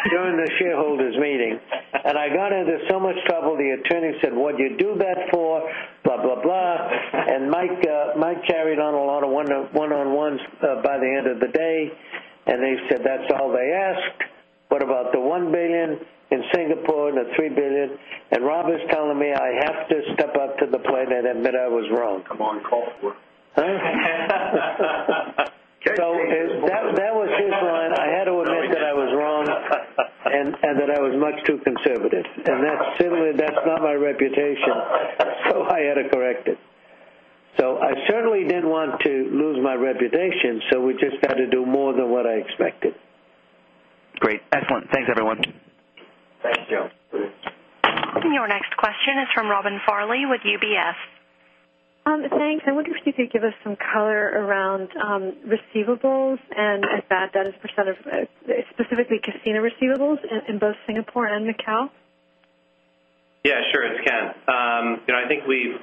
during the shareholders meeting and I got into so much trouble. The attorney said, what do you do that for? Blah, blah, blah. And Mike carried on a lot of 1 on ones by the end of the day. And they said, that's all they ask. What about the $1,000,000,000 in Singapore and the $3,000,000,000 And Rob is telling me I have to step up to the plane and admit I was wrong. Come on, call it. So that was his line. I had to admit that I was wrong and that I was much too conservative. And that's similar that's not my reputation, so I had to correct it. So I certainly didn't want to lose my reputation, So we just had to do more than what I expected. Great. Excellent. Thanks, everyone. Thanks, Joe. And your next question is from Robin Farley with UBS. Thanks. I wonder if you could give us some color around receivables and that as percent of specifically casino receivables in both Singapore and Macau? Yes, sure. It's Ken. I think we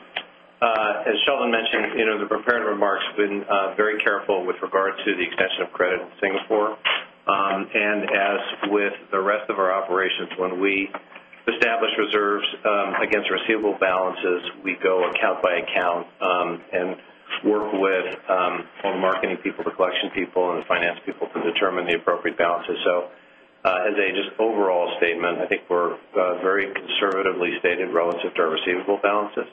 as Sheldon mentioned in the prepared remarks, we've been very careful with regard to the extension of credit in Singapore. And as with the rest of our operations, when we establish reserves against receivable balances, we go account by account and work with marketing people, the collection people and the finance people to determine the appropriate balances. So as a just overall statement, I think we're very conservatively stated relative to our receivable balances.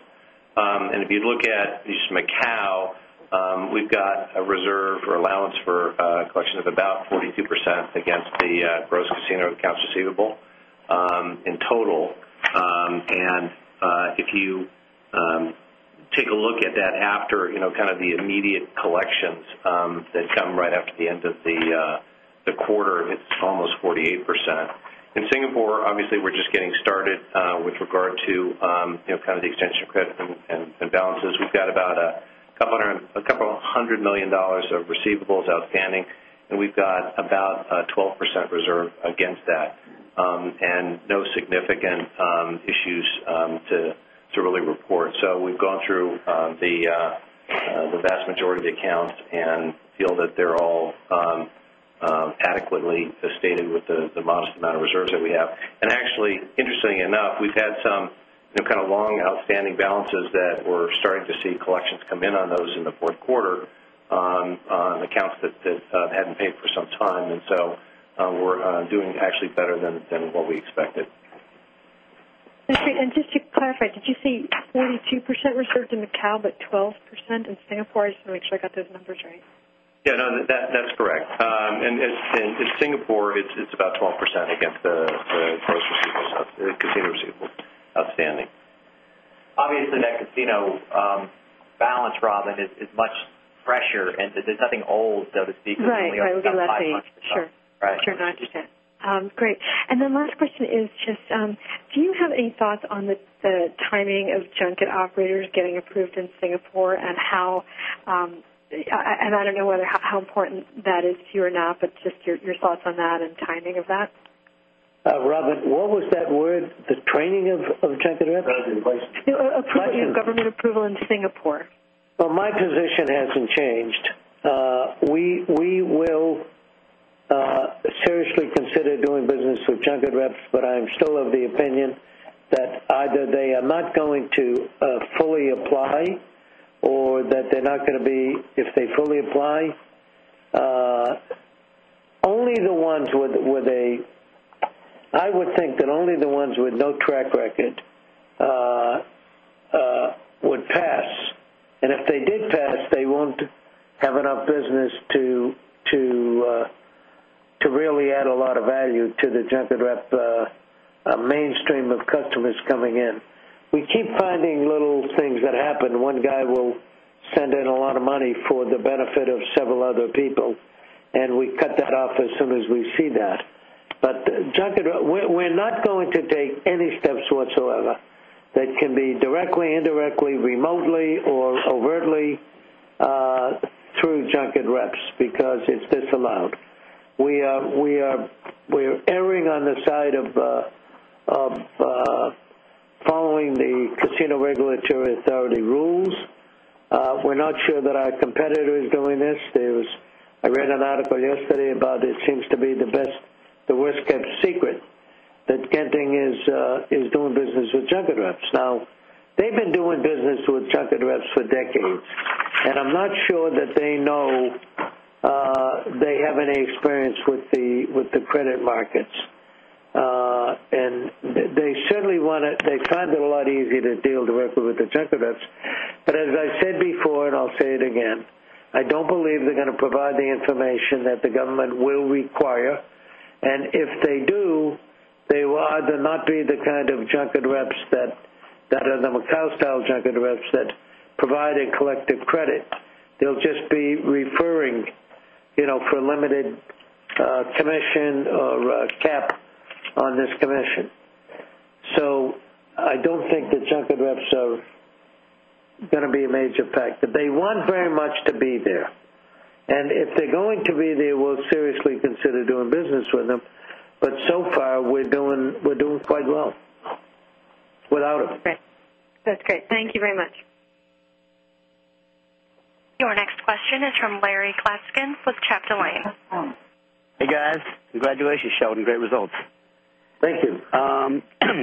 And if you look at East Macau, we've got a reserve or allowance for collection of about 42% against the gross casino accounts receivable in total. And if you take a look at that after kind of the immediate collections that come right after the end of the quarter, it's almost 48%. In Singapore, obviously, we're just getting started with regard to kind of the extension of credit and balances. We've got about a couple of $100,000,000 of receivables outstanding and we've got about 12% reserve against that and no significant issues to really report. So we've gone through the vast majority of the accounts and feel that they're all adequately stated with the modest amount of reserves that we have. And actually, interestingly enough, we've had some kind of long outstanding balances that we're starting to see collections come in on those in the Q4 on accounts that hadn't paid for some time. And so we're doing actually better than what we expected. And just to clarify, did you see 42% reserves in Macao, but 12 percent in Singapore? I just want to make sure I got those numbers right. Yes. No, that's correct. And in Singapore, it's about 12% against the gross receivables, and casino receivable outstanding. Obviously, that casino balance, Robin, is much pressure and there's nothing old, so to speak, Right. I would love to say, sure. Sure. I understand. Great. And then last question is just, do you have any thoughts on the timing of junket operators getting approved in Singapore and how and I don't know whether how important that is to you or not, but just your thoughts on that and timing of that? Robin, what was that word, the training of Government approval in Singapore. Well, my position hasn't changed. We will seriously consider doing business with junket reps, but I'm still of the opinion that either they are not going to fully apply or that they're not going to be if they fully apply, only the ones with a I would think that only the ones with no track record would pass. And if they did pass, they won't have enough business to really add a lot of value to the junket rep mainstream of customers coming in. We keep finding little things that happen. 1 guy will send in a lot of money for the benefit of several other people, and we cut that off as soon as we see that. But we're not going to take any steps whatsoever that can be directly, indirectly, remotely or overtly through junket reps because it's disallowed. We are erring on the side of following the casino regulatory authority rules. We're not sure that our competitor is doing this. There was I read an article yesterday about it seems to be the best the worst kept secret that Genting is doing business with junket reps. Now they've been doing business with junket reps for decades. And I'm not sure that they know they have any experience with the credit markets. And they certainly want to they find it a lot easier to deal directly with junkovits. But as I said before, and I'll say it again, I don't believe they're going to provide the information that the government will require. And if they do, they will either not be the kind of junket reps that are the Macau style junket reps that provide a collective credit. They'll just be referring for limited commission or cap on this commission. So I don't think the junket reps are going to be a major factor. They want very much to be there. And if they're going to be there, we'll seriously consider doing business with them. But so far, we're doing quite well without them. Great. That's great. Thank you very much. Your next question is from Larry Klaskin with Jeff Delaney. Congratulations Sheldon. Great results. Thank you. A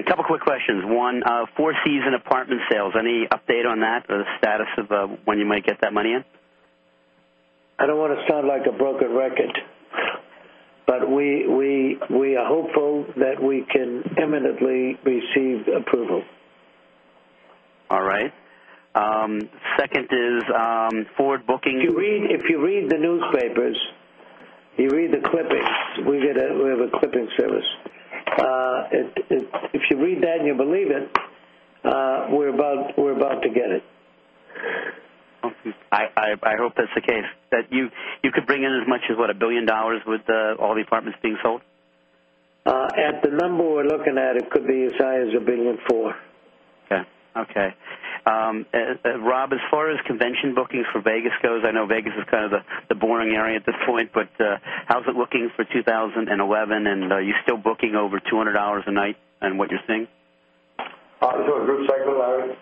couple of quick questions. 1, 4 Seasons apartment sales, any update on that or the status of when you might get that money in? I don't want to sound like a broken record, but we are hopeful that we can imminently receive approval. All right. 2nd is forward booking If you read the newspapers, you read the clippings, we have a clipping service. If you read that and you believe it, we're about to get it. I hope that's the case that you could bring in as much as what $1,000,000,000 with all the apartments being sold? At the number we're looking at, it could be as high as 1,400,000,000 dollars Okay. Rob, as far as convention bookings for Vegas goes, I know Vegas is kind of the boring area at this point, but how is it looking for 2011? And are you still booking over $200 a night and what you're seeing? Is it a group cycle, Larry?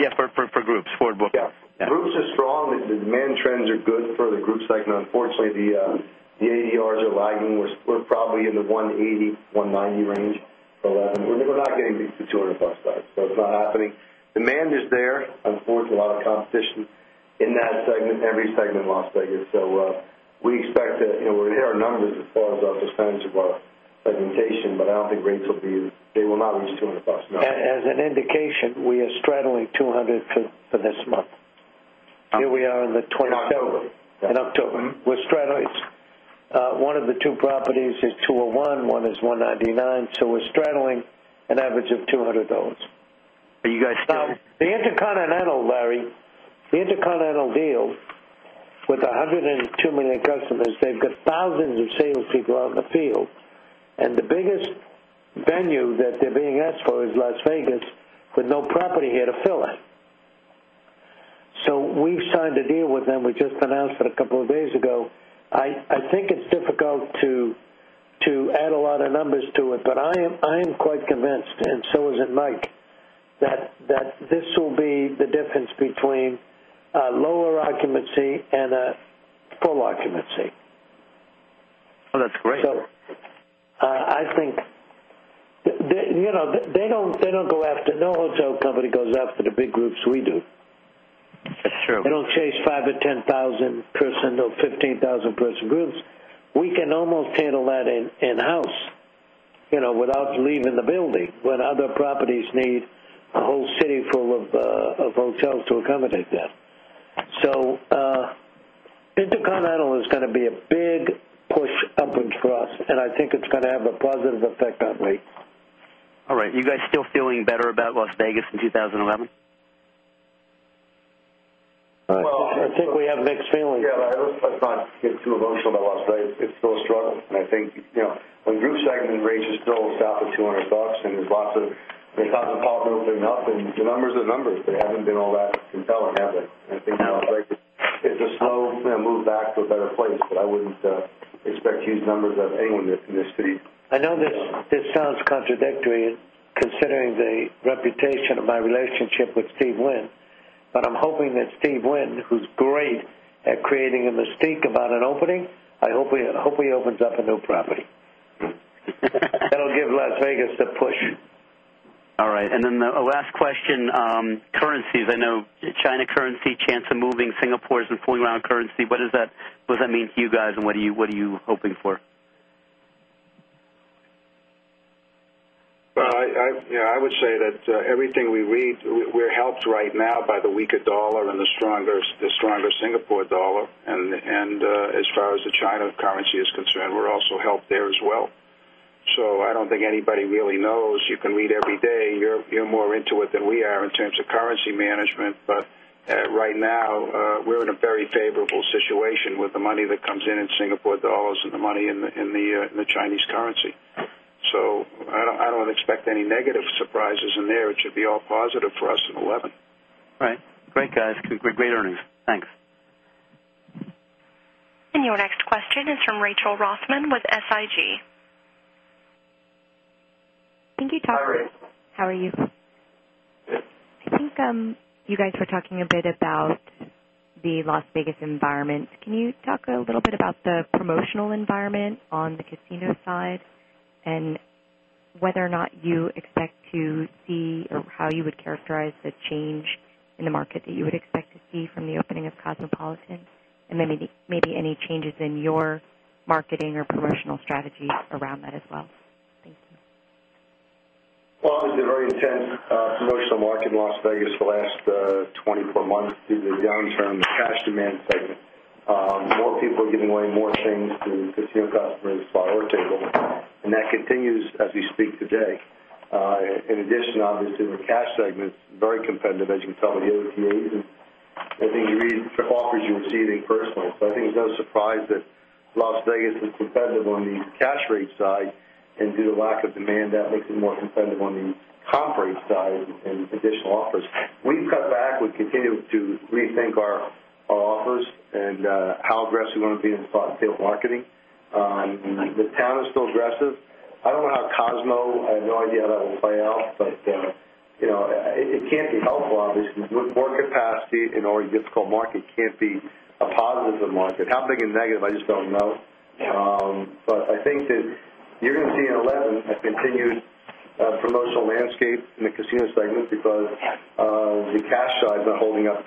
Yes, for groups, forward book. Yes. Groups are strong. The demand trends are good for the group segment. Unfortunately, the ADRs are lagging. We're probably in the 180, 190 range, 11. We're not getting these to 200 bucks, so it's not happening. Demand is there. Unfortunately, a lot of competition in that segment, every segment in Las Vegas. So we expect that we'll hit our numbers as far as the percentage of our segmentation, but I don't think rates will be they will not lose $200, no. As an indication, we are straddling $200,000,000 for this month. Here we are in the 22, in October, we're straddlers. 1 of the 2 properties is 201, 1 is 199. So we're straddling an average of 200. Are you guys The Intercontinental, Larry, the Intercontinental deal with 102,000,000 customers, they've got thousands of salespeople out in the field. And the biggest venue that they're being asked for is Las Vegas with no property here to fill in. So we've signed a deal with them. We just announced it a couple of days ago. I think it's difficult to add a lot of numbers to it. But I am quite convinced and so is it Mike that this will be the difference between lower occupancy and full occupancy. Well, that's great. So I think they don't go after no hotel company goes after the big groups we do. That's true. They don't chase 5000 or 10000 person or 15000 person groups. We can almost handle that in house without leaving the building when other properties need a whole city full of hotels to accommodate that. So Intercontinental is going to be a big push upwards for us, and I think it's going to have a positive effect on me. All right. You guys still feeling better about Las Vegas in 2011? Well, I think we have mixed feelings. Yes, let's not get too emotional about Las Vegas. It's still a struggle. And I think when group segment raises those out of $200 and there's lots of big tons of pulp opening up and the numbers are numbers. They haven't been all that compelling. It's a slow move back to a better place, but I wouldn't expect huge numbers of anyone in this city. I know this sounds contradictory considering the reputation of my relationship with Steve Wynn. But I'm hoping that Steve Wynn, who's great at creating a mystique about an opening, I hope he opens up a new property. That will give Las Vegas a push. All right. And then the last question, currencies, I know China currency chance of moving Singapore has been pulling around currency. What does that mean to you guys and what are you hoping for? I would say that everything we read, we're helped right now by the weaker dollar and the stronger Singapore dollar. And as far as the China currency is concerned, we're also helped there as well. So I don't think anybody really knows. You can read every day. You're more into it than we are in terms of currency management. But right now, we're in a very favorable situation with the money that comes in, in Singapore dollars and the money in the Chinese currency. So I don't expect any negative surprises in there. It should be all positive for us in 11. Right. Great guys. Great earnings. Thanks. And your next question is from Rachel Rosman with SIG. Thank you, Todd. Hi, Rachel. How are you? Good. I think you guys were talking a bit about the Las Vegas environment. Can you talk a little bit about the promotional environment on the casino side? And whether or not you expect to see or how you would characterize the change in the market that you would expect to see from the opening of Cosmopolitan And then maybe any changes in your marketing or promotional strategy around that as well? Thank you. Well, it was a very intense promotional market in Las Vegas for the last 24 months due to the downturn cash demand segment. More people are giving away more things to casino customers by our table and that continues as we speak today. In addition, obviously, in the cash segment, very competitive, as you can tell, the OTA is I think you read the offers you're receiving personal. So I think it's no surprise that Las Vegas is competitive on the cash rate side and due to lack of demand that makes it more competitive on the comp rate side and additional offers. We've cut back. We continue to rethink our offers and how aggressive we want to be in spot and deal marketing. The town is still aggressive. I don't know how Cosmo, I have no idea how that will play out, but it can't be helpful obviously with more capacity in our difficult market can't be a positive of market. How big is negative? I just don't know. But I think that you're going to see in 2011 a continued promotional landscape in the casino segment because the cash side has been holding up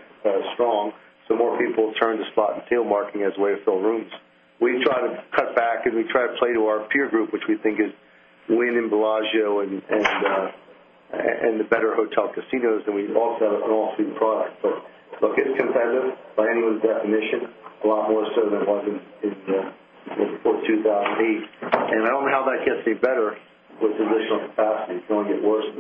strong. So more people turn to spot and tail marketing as way to fill rooms. We try to cut back and we try to play to our peer group, which we think is Wynn and Bellagio and the better hotel casinos than we also have an All Suite product. Look, it's competitive by anyone's definition, a lot more certain than it was in the 4th 2008. And I don't know how that gets any better with additional capacity, it's going to get worse in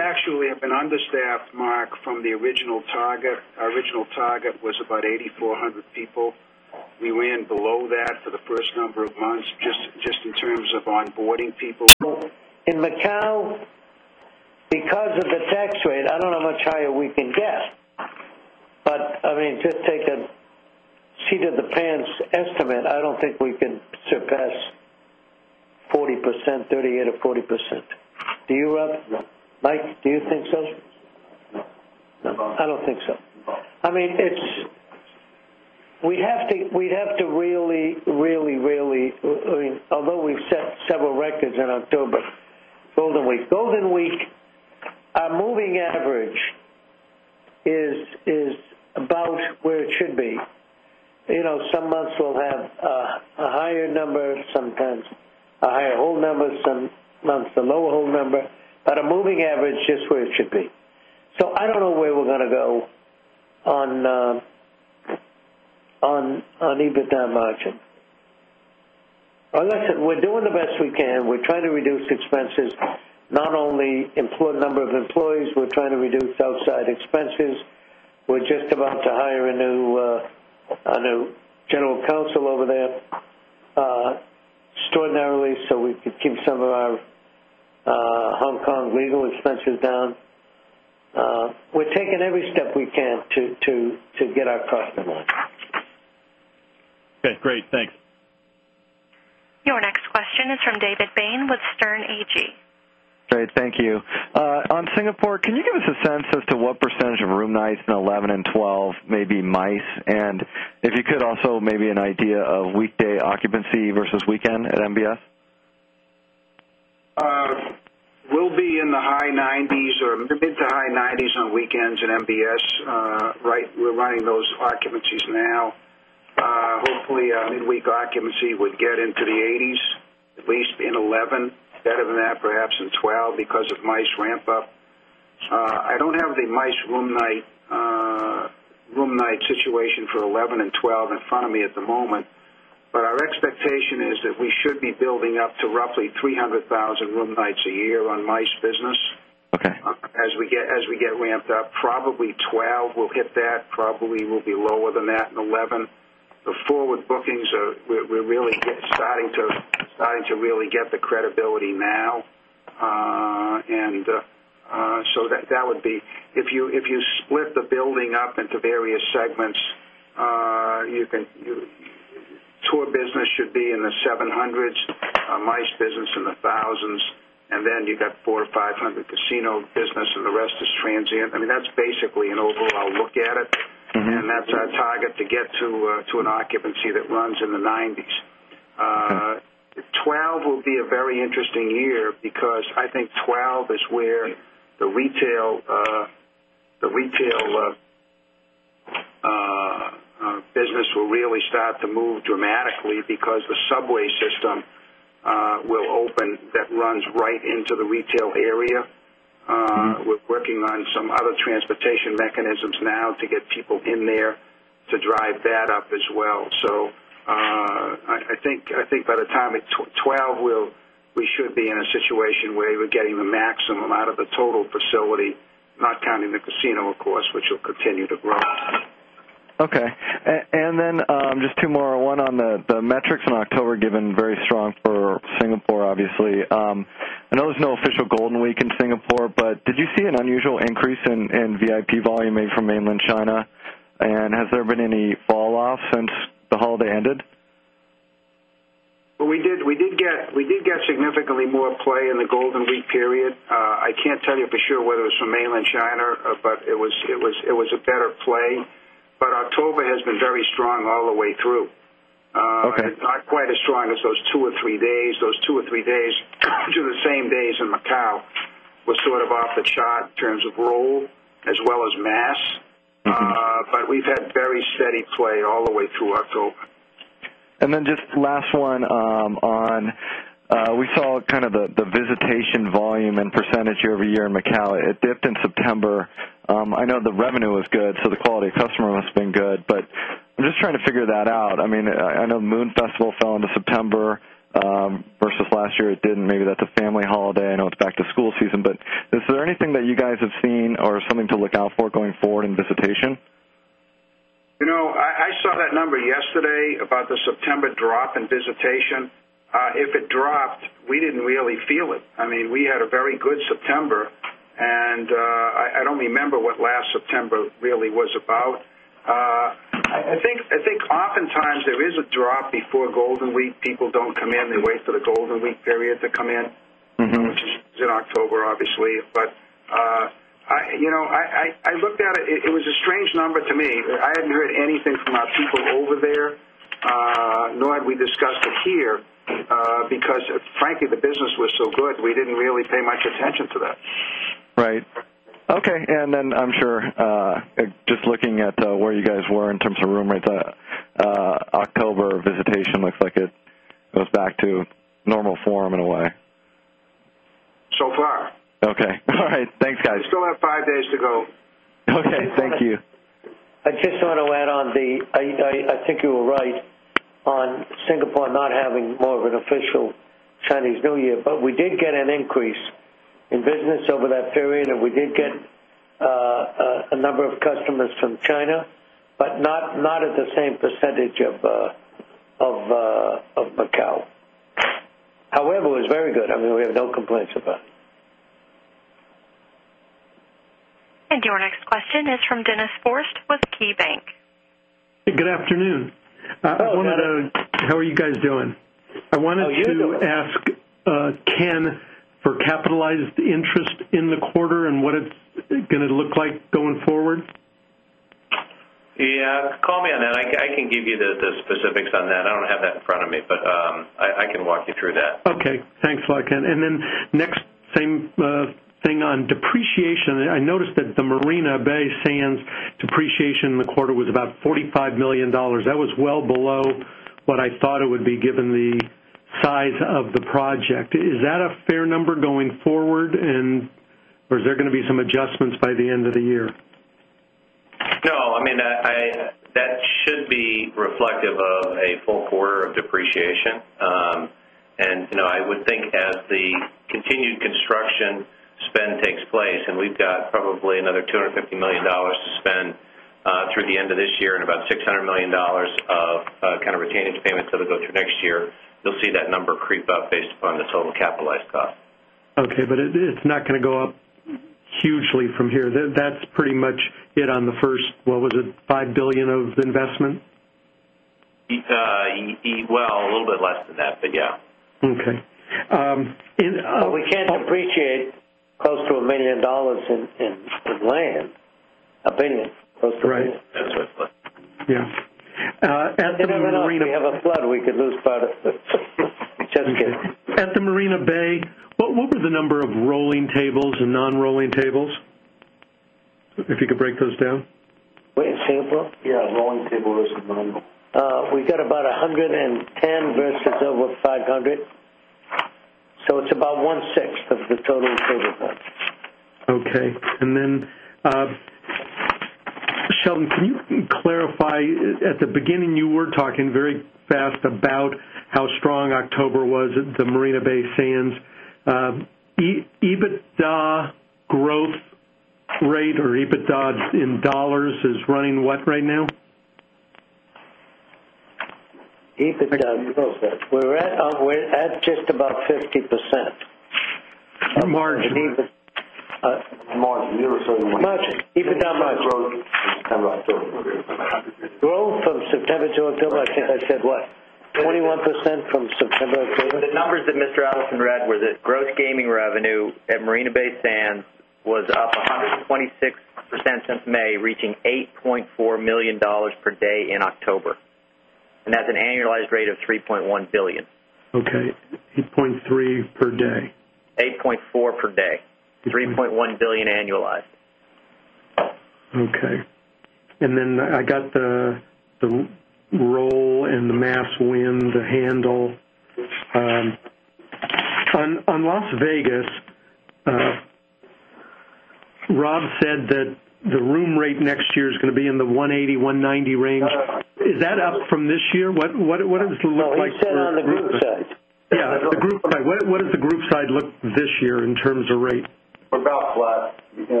licensing.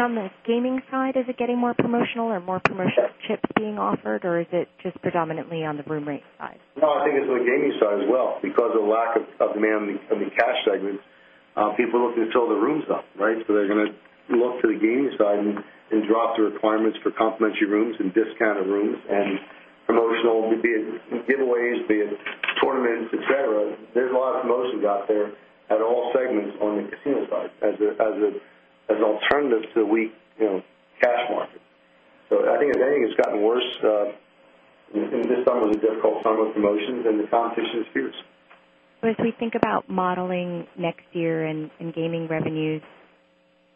On the gaming side, is it getting more promotional or more promotional chips being offered or is it just predominantly on the room rate side? I think it's on the gaming side as well because of lack of demand in the cash segment. People are looking to tell the rooms up, right. So they're going to look to the gaming side and drop the requirements for complementary rooms and discounted rooms and promotional, be it giveaways, be it tournaments, etcetera. There's a lot of promotions out there at all segments on the casino side as an alternative to weak cash market. So I think at any time it's gotten worse. And this time it was a difficult time with promotions and the competition is fierce. So as we think about modeling next year and gaming revenues,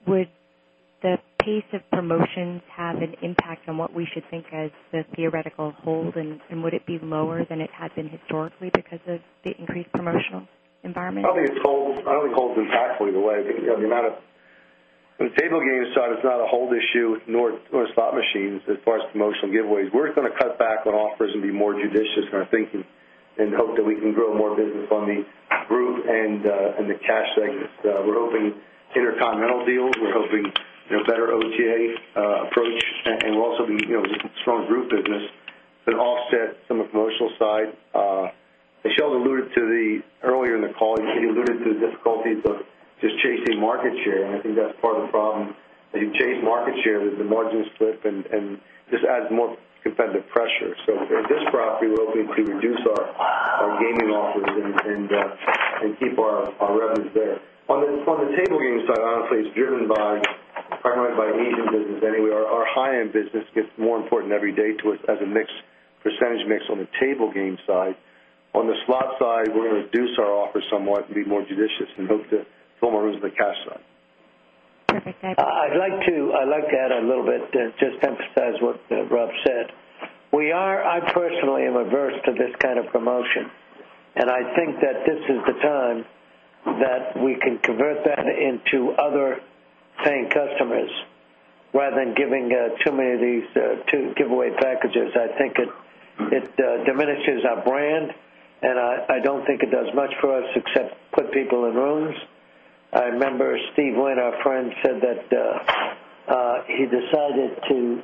would the pace of promotions have an impact on what we should think as the theoretical hold? And would it be lower than it had been historically because of the increased promotional environment? I don't think it holds impactfully, the way. The amount of on the table game side, it's not a hold issue nor slot machines as far as promotional giveaways. We're going to cut back on offers and be more judicious in our thinking and hope that we can grow more business on the group and the cash segments. We're hoping intercontinental deals. We're hoping better OTA approach and we'll also be strong group business that offset some of the promotional side. Michel alluded to the earlier in the call, you alluded to difficulties of just chasing market share. And I think that's part of the problem. As you chase market share, the margins slip and this adds more competitive pressure. So in this property, we're hoping to reduce our gaming offices and keep our revenues there. On the table game side, honestly, it's driven by primarily by Asian business anyway. Our high end business gets more important every day to us as a mix percentage mix on the table game side. On the slot side, we're going to reduce our offer somewhat and be more judicious and move to fill more rooms on the cash side. Perfect. I'd like to add a little bit just to emphasize what Rob said. We are I personally am averse to this kind of promotion. And I think that this is the time that we can convert that into other paying customers rather than giving too many of these 2 giveaway packages. I think it diminishes our brand and I don't think it does much for us except put people in rooms. I remember Steve Wynn, our friend said that he decided to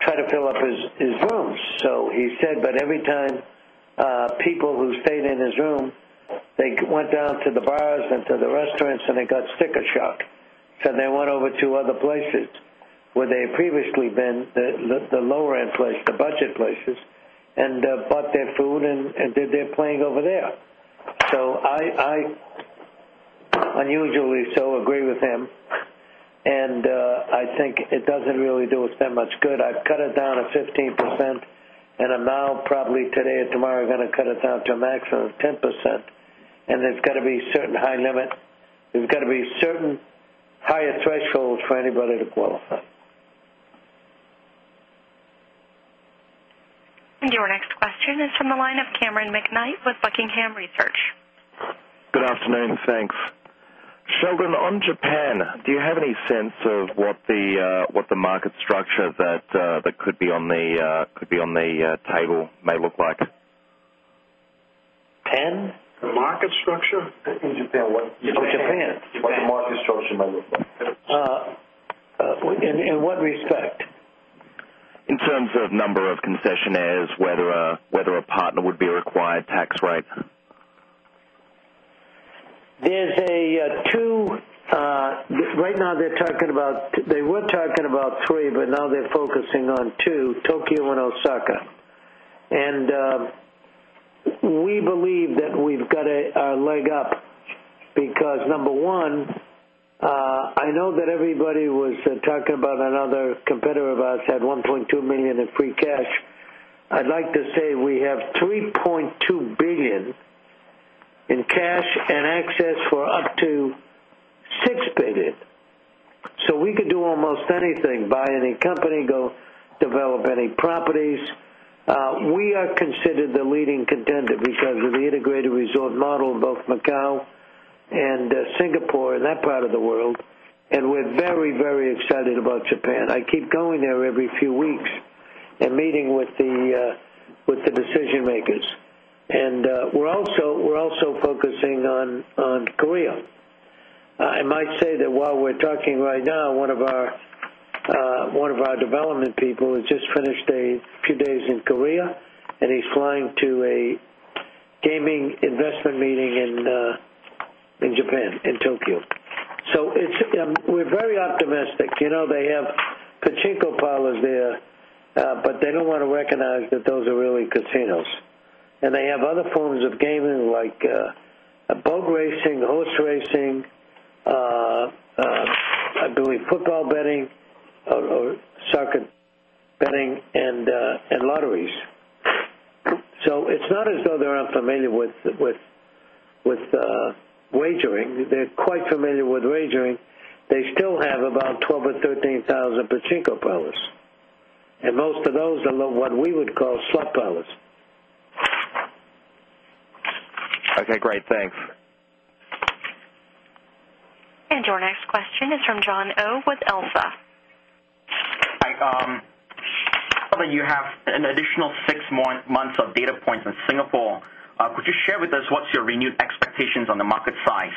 try to fill up his rooms. So he said, but every time people who stayed in his room, they went down to the bars and to the restaurants and they got sticker shock. So they went over to other places where they had previously been the lower end place, the budget places and bought their food and did their playing over there. So I unusually so agree with him. And I think it doesn't really do us that much good. I've cut it down at 15%, and I'm now probably today or tomorrow going to cut it down to a maximum of 10%. And there's got to be certain high limit. There's got to be certain higher thresholds for anybody to qualify. And your next question is from the line of Cameron McKnight with Buckingham Research. Sheldon, on Japan, do you have any sense of what the market structure that could be on the table may look like? 10? The market structure? In Japan, what what the market structure might look like. In what respect? In terms of number of concessionaires, whether a partner would be required tax rate? There's a 2 right now, they're talking about they were talking about 3, but now they're focusing on 2, Tokyo and Osaka. And we believe that we've got a leg up because number 1, I know that everybody was talking about another competitor of us had $1,200,000 in free cash. I'd like to say we have $3,200,000,000 dollars in cash and access for up to $6,000,000,000 So we could do almost anything, buy any company, go develop any properties. We are considered the leading contender because of the integrated resort model of both Macau and Singapore in that part of the world. And we're very, very excited about Japan. I keep going there every few weeks and meeting with the decision makers. And we're also focusing on Korea. I might say that while we're talking right now, one of our development people has just finished a few days in Korea and he's flying to a gaming investment meeting in Japan, in Tokyo. So it's we're very optimistic. They have Pachinko parlors there, but they don't want to recognize that those are really casinos. And they have other forms of gaming like a boat racing, horse racing, I believe football betting, or soccer betting and lotteries. So it's not as though they're unfamiliar with wagering. They're quite familiar with wagering. They still have about 12,000 or 13,000 pachinko pellets. And most of those are what we would call slop pillars. Okay, great. Thanks. And your next question is from John Oh with Elfa. Hi. I know that you have an additional 6 months of data points in Singapore, could you share with us what's your renewed expectations on the market size?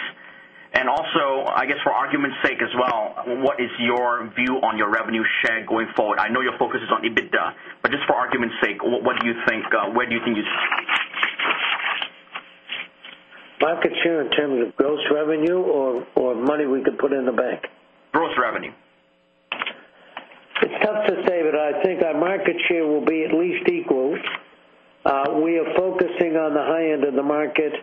And also, I guess, for argument's sake as well, what is your view on your revenue share going forward? I know your focus is on EBITDA, but just for argument's sake, what do you think where do you think you see? Mark, it's here in terms of gross revenue or money we could put in the Gross revenue. It's tough to say that I think our market share will be at least equal. We are focusing on the high end of the market,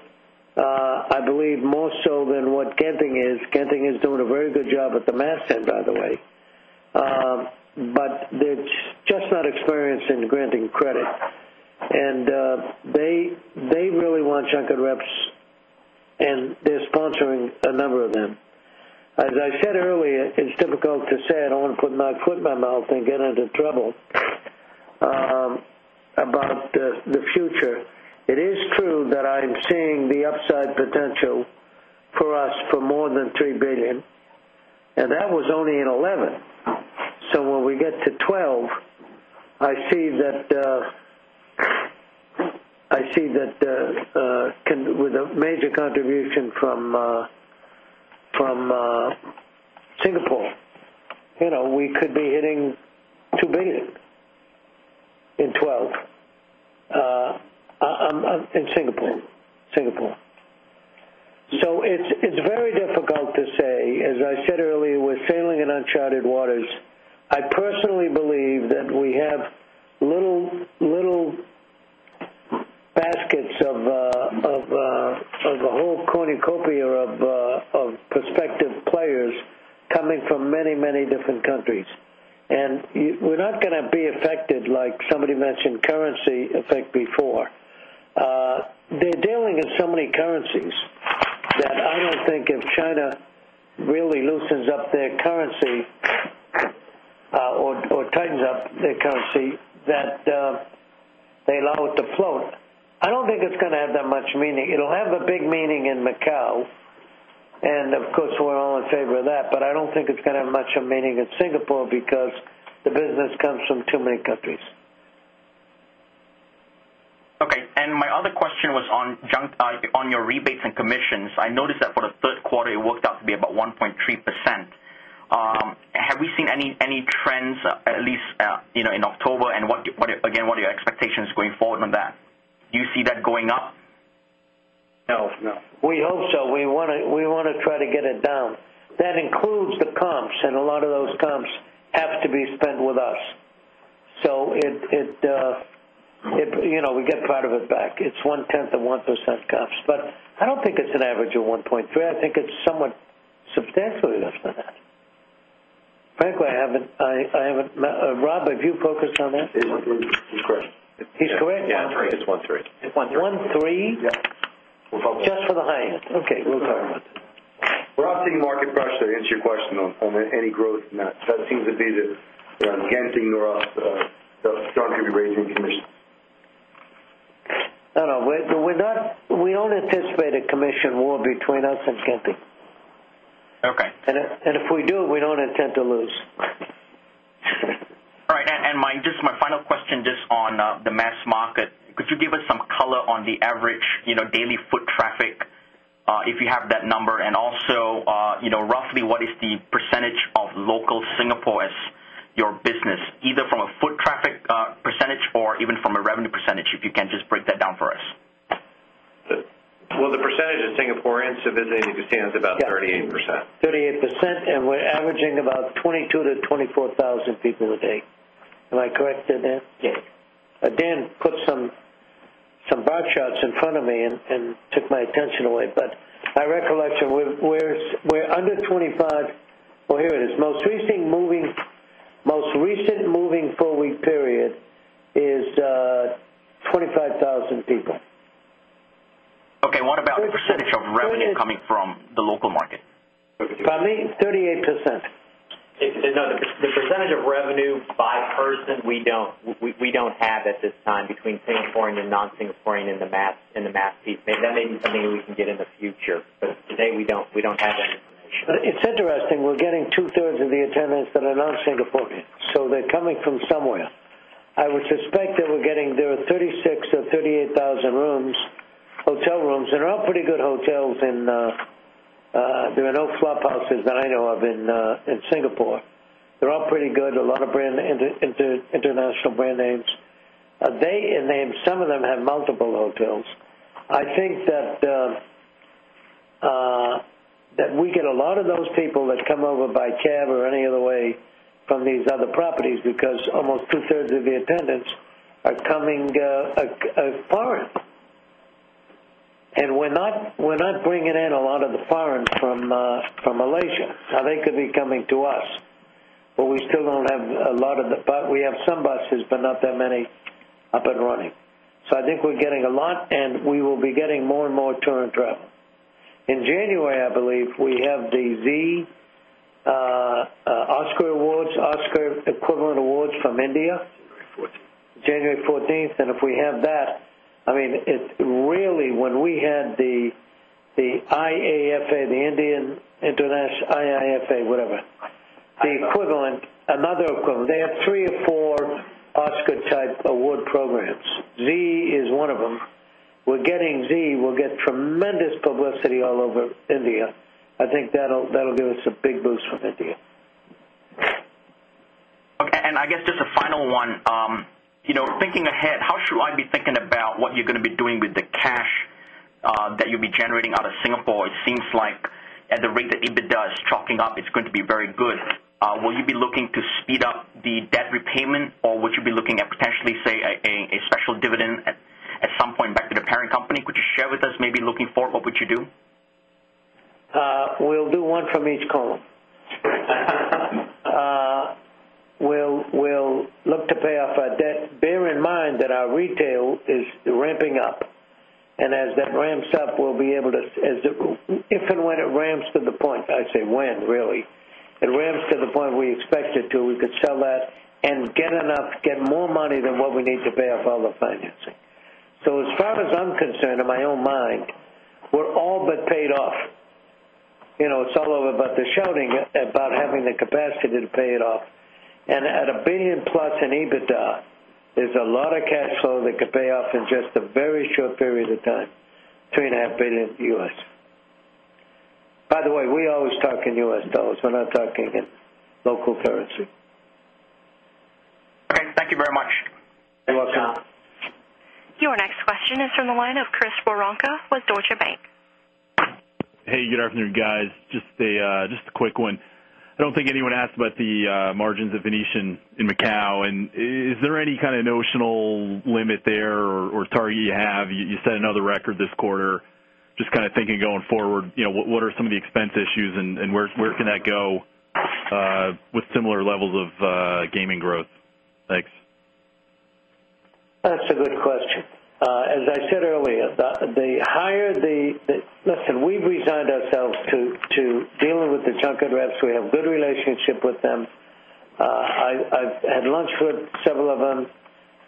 I believe more so than what Genting is. Genting is doing a very good job at the mass end, by the way. But they're just not experienced in granting credit. And they really want junket reps and they're sponsoring a number of them. As I said earlier, it's difficult to say, I don't want to put my foot in my mouth and get into trouble about the future. It is true that I'm seeing the upside potential for us for more than $3,000,000,000 and that was only in $11,000,000 So when we get to $12,000,000 I see that with a major contribution from Singapore, We could be hitting 2 big in 12 in Singapore. So it's very difficult to say. As I said earlier, we're sailing in uncharted waters. I personally believe that we have little baskets of the whole cornucopia of prospective players coming from many, many different countries. And we're not going to be affected like somebody mentioned currency effect before. They're dealing in so many currencies that I don't think if China really loosens up their currency or tightens up their currency that they allow it to float. I don't think it's going to have that much meaning. It will have a big meaning in Macau. And of course, we're all in favor of that. But I don't think it's going to have much meaning in Singapore because the business comes from too many countries. Okay. And my other question was on your rebates and commissions. I noticed that for Q3 it worked out to be about 1.3%. Have we seen any trends at least in October and what again what are your expectations going forward on that? Do you see that going up? No. No. We hope so. We want to try to get it down. That includes the comps and a lot of those comps have to be spent with us. So it we get part of it back. It's oneten of 1% comps. But I don't think it's an average of 1.3%. I think it's somewhat substantially less than that. Frankly, I haven't Rob, have you focused on that? He's correct. He's correct? Yes. It's 13. 13. Yes. We're focused. Just for the high end. Okay. We're not seeing market pressure to answer your question on any growth in that. So that seems to be the we're not getting the strong group raising commission. No, no. We're not we don't anticipate a commission war between us and camping. Okay. And if we do, we don't intend to lose. All right. And Mike, just my final question just on the mass market. Could you give us some color on the average daily foot traffic if you have that number? And also roughly what is the percentage of local Singapore as your business either from a foot traffic percentage or even from a revenue percentage, if you can just break that down for us? Well, the percentage of Singaporeans of the day you can stand is about 38%. 38% and we're averaging about 22,000 to 24,000 people a day. Am I correct to that? Dan put some bar charts in front of me and took my attention away. But my recollection, we're under 25 well, here it is, most recent moving 4 week period is 25,000 people. Okay. What about the percentage of revenue coming from the local market? 38%. The percentage of revenue by person, we don't have at this time between Singaporean and non Singaporean in the MAP piece. That may be something we can get in the future, but today we don't have any. It's interesting. We're getting 2 thirds of the attendants that are not Singaporean. So they're coming from somewhere. I would suspect that we're getting there are 36,000 or 38,000 rooms hotel rooms and they're all pretty good hotels in there are no flop houses that know of in Singapore. They're all pretty good, a lot of brand international brand names. They and some of them have multiple hotels. I think that we get a lot of those people that come over by cab or any other way from these other properties because almost 2 thirds of the attendants are coming foreign. And we're not bringing in a lot of the foreign from Malaysia. Now they could be coming to us, but we still don't have a lot of the we have some buses, but not that many up and running. So I think we're getting a lot and we will be getting more and more turn and travel. In January, I believe, we have the Z, Oscar Awards, Oscar Equivalent Awards from India. January 14. And if we have that, I mean, it's really when we had the IAFA, the Indian International IIFA, whatever, the equivalent another equivalent, they have 3 or 4 Oscar type award programs. Z is one of them. We're getting Z. We'll get tremendous publicity all over India. I think that'll give us a big boost from India. Okay. And I guess just a final one. Thinking ahead, how should I be thinking about what you're going to be doing with the cash that you'll be generating out of Singapore? It seems like at the rate that EBITDA is chalking up, it's going to be very good. Will you be looking to speed up the debt repayment? Or would you be looking at potentially, say, a special dividend at some point back to the parent company? Could you share with us maybe looking forward, what would you do? We'll do one from each column. We'll look to pay off our debt. Bear in mind that our retail is ramping up. And as that ramps up, we'll be able to if and when it ramps to the point, I'd say when really, it ramps to the point we expect it to, we could sell that and get enough get more money than what we need to pay off all the financing. So as far as I'm concerned in my own mind, we're all but paid off. It's all over but the shouting about having the capacity to pay it off. And at $1,000,000,000 plus in EBITDA, there's a lot of cash flow that could pay off in just a very short period of time, dollars 3,500,000,000 By the way, we always talk in U. S. Dollars. We're not talking in local currency. Okay. Thank you very much. You're welcome. Your next question is from the line of Chris Woronka with Deutsche Bank. Hey, good afternoon, guys. Just a quick one. I don't think anyone asked about the margins of Venetian in Macau. And is there any kind of notional limit there or target you have? You set another record this quarter. Just kind of thinking going forward, what are some of the expense issues and where can that go with similar levels of gaming growth? Thanks. That's a good question. As I said earlier, the higher the listen, we've resigned ourselves to dealing with the junket reps. We have good relationship with them. I've had lunch with several of them.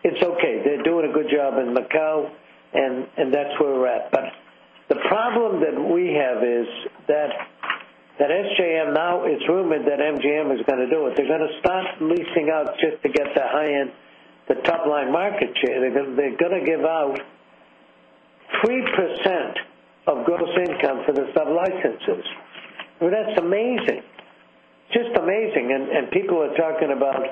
It's okay. They're doing a good job in Macau and that's where we're at. But the problem that we have is that that SJM now is rumored that MGM is going to do it. They're start leasing out just to get the high end, the top line market share. They're going to give out 3% of gross income for the sublicenses. That's amazing, just amazing. And people are talking about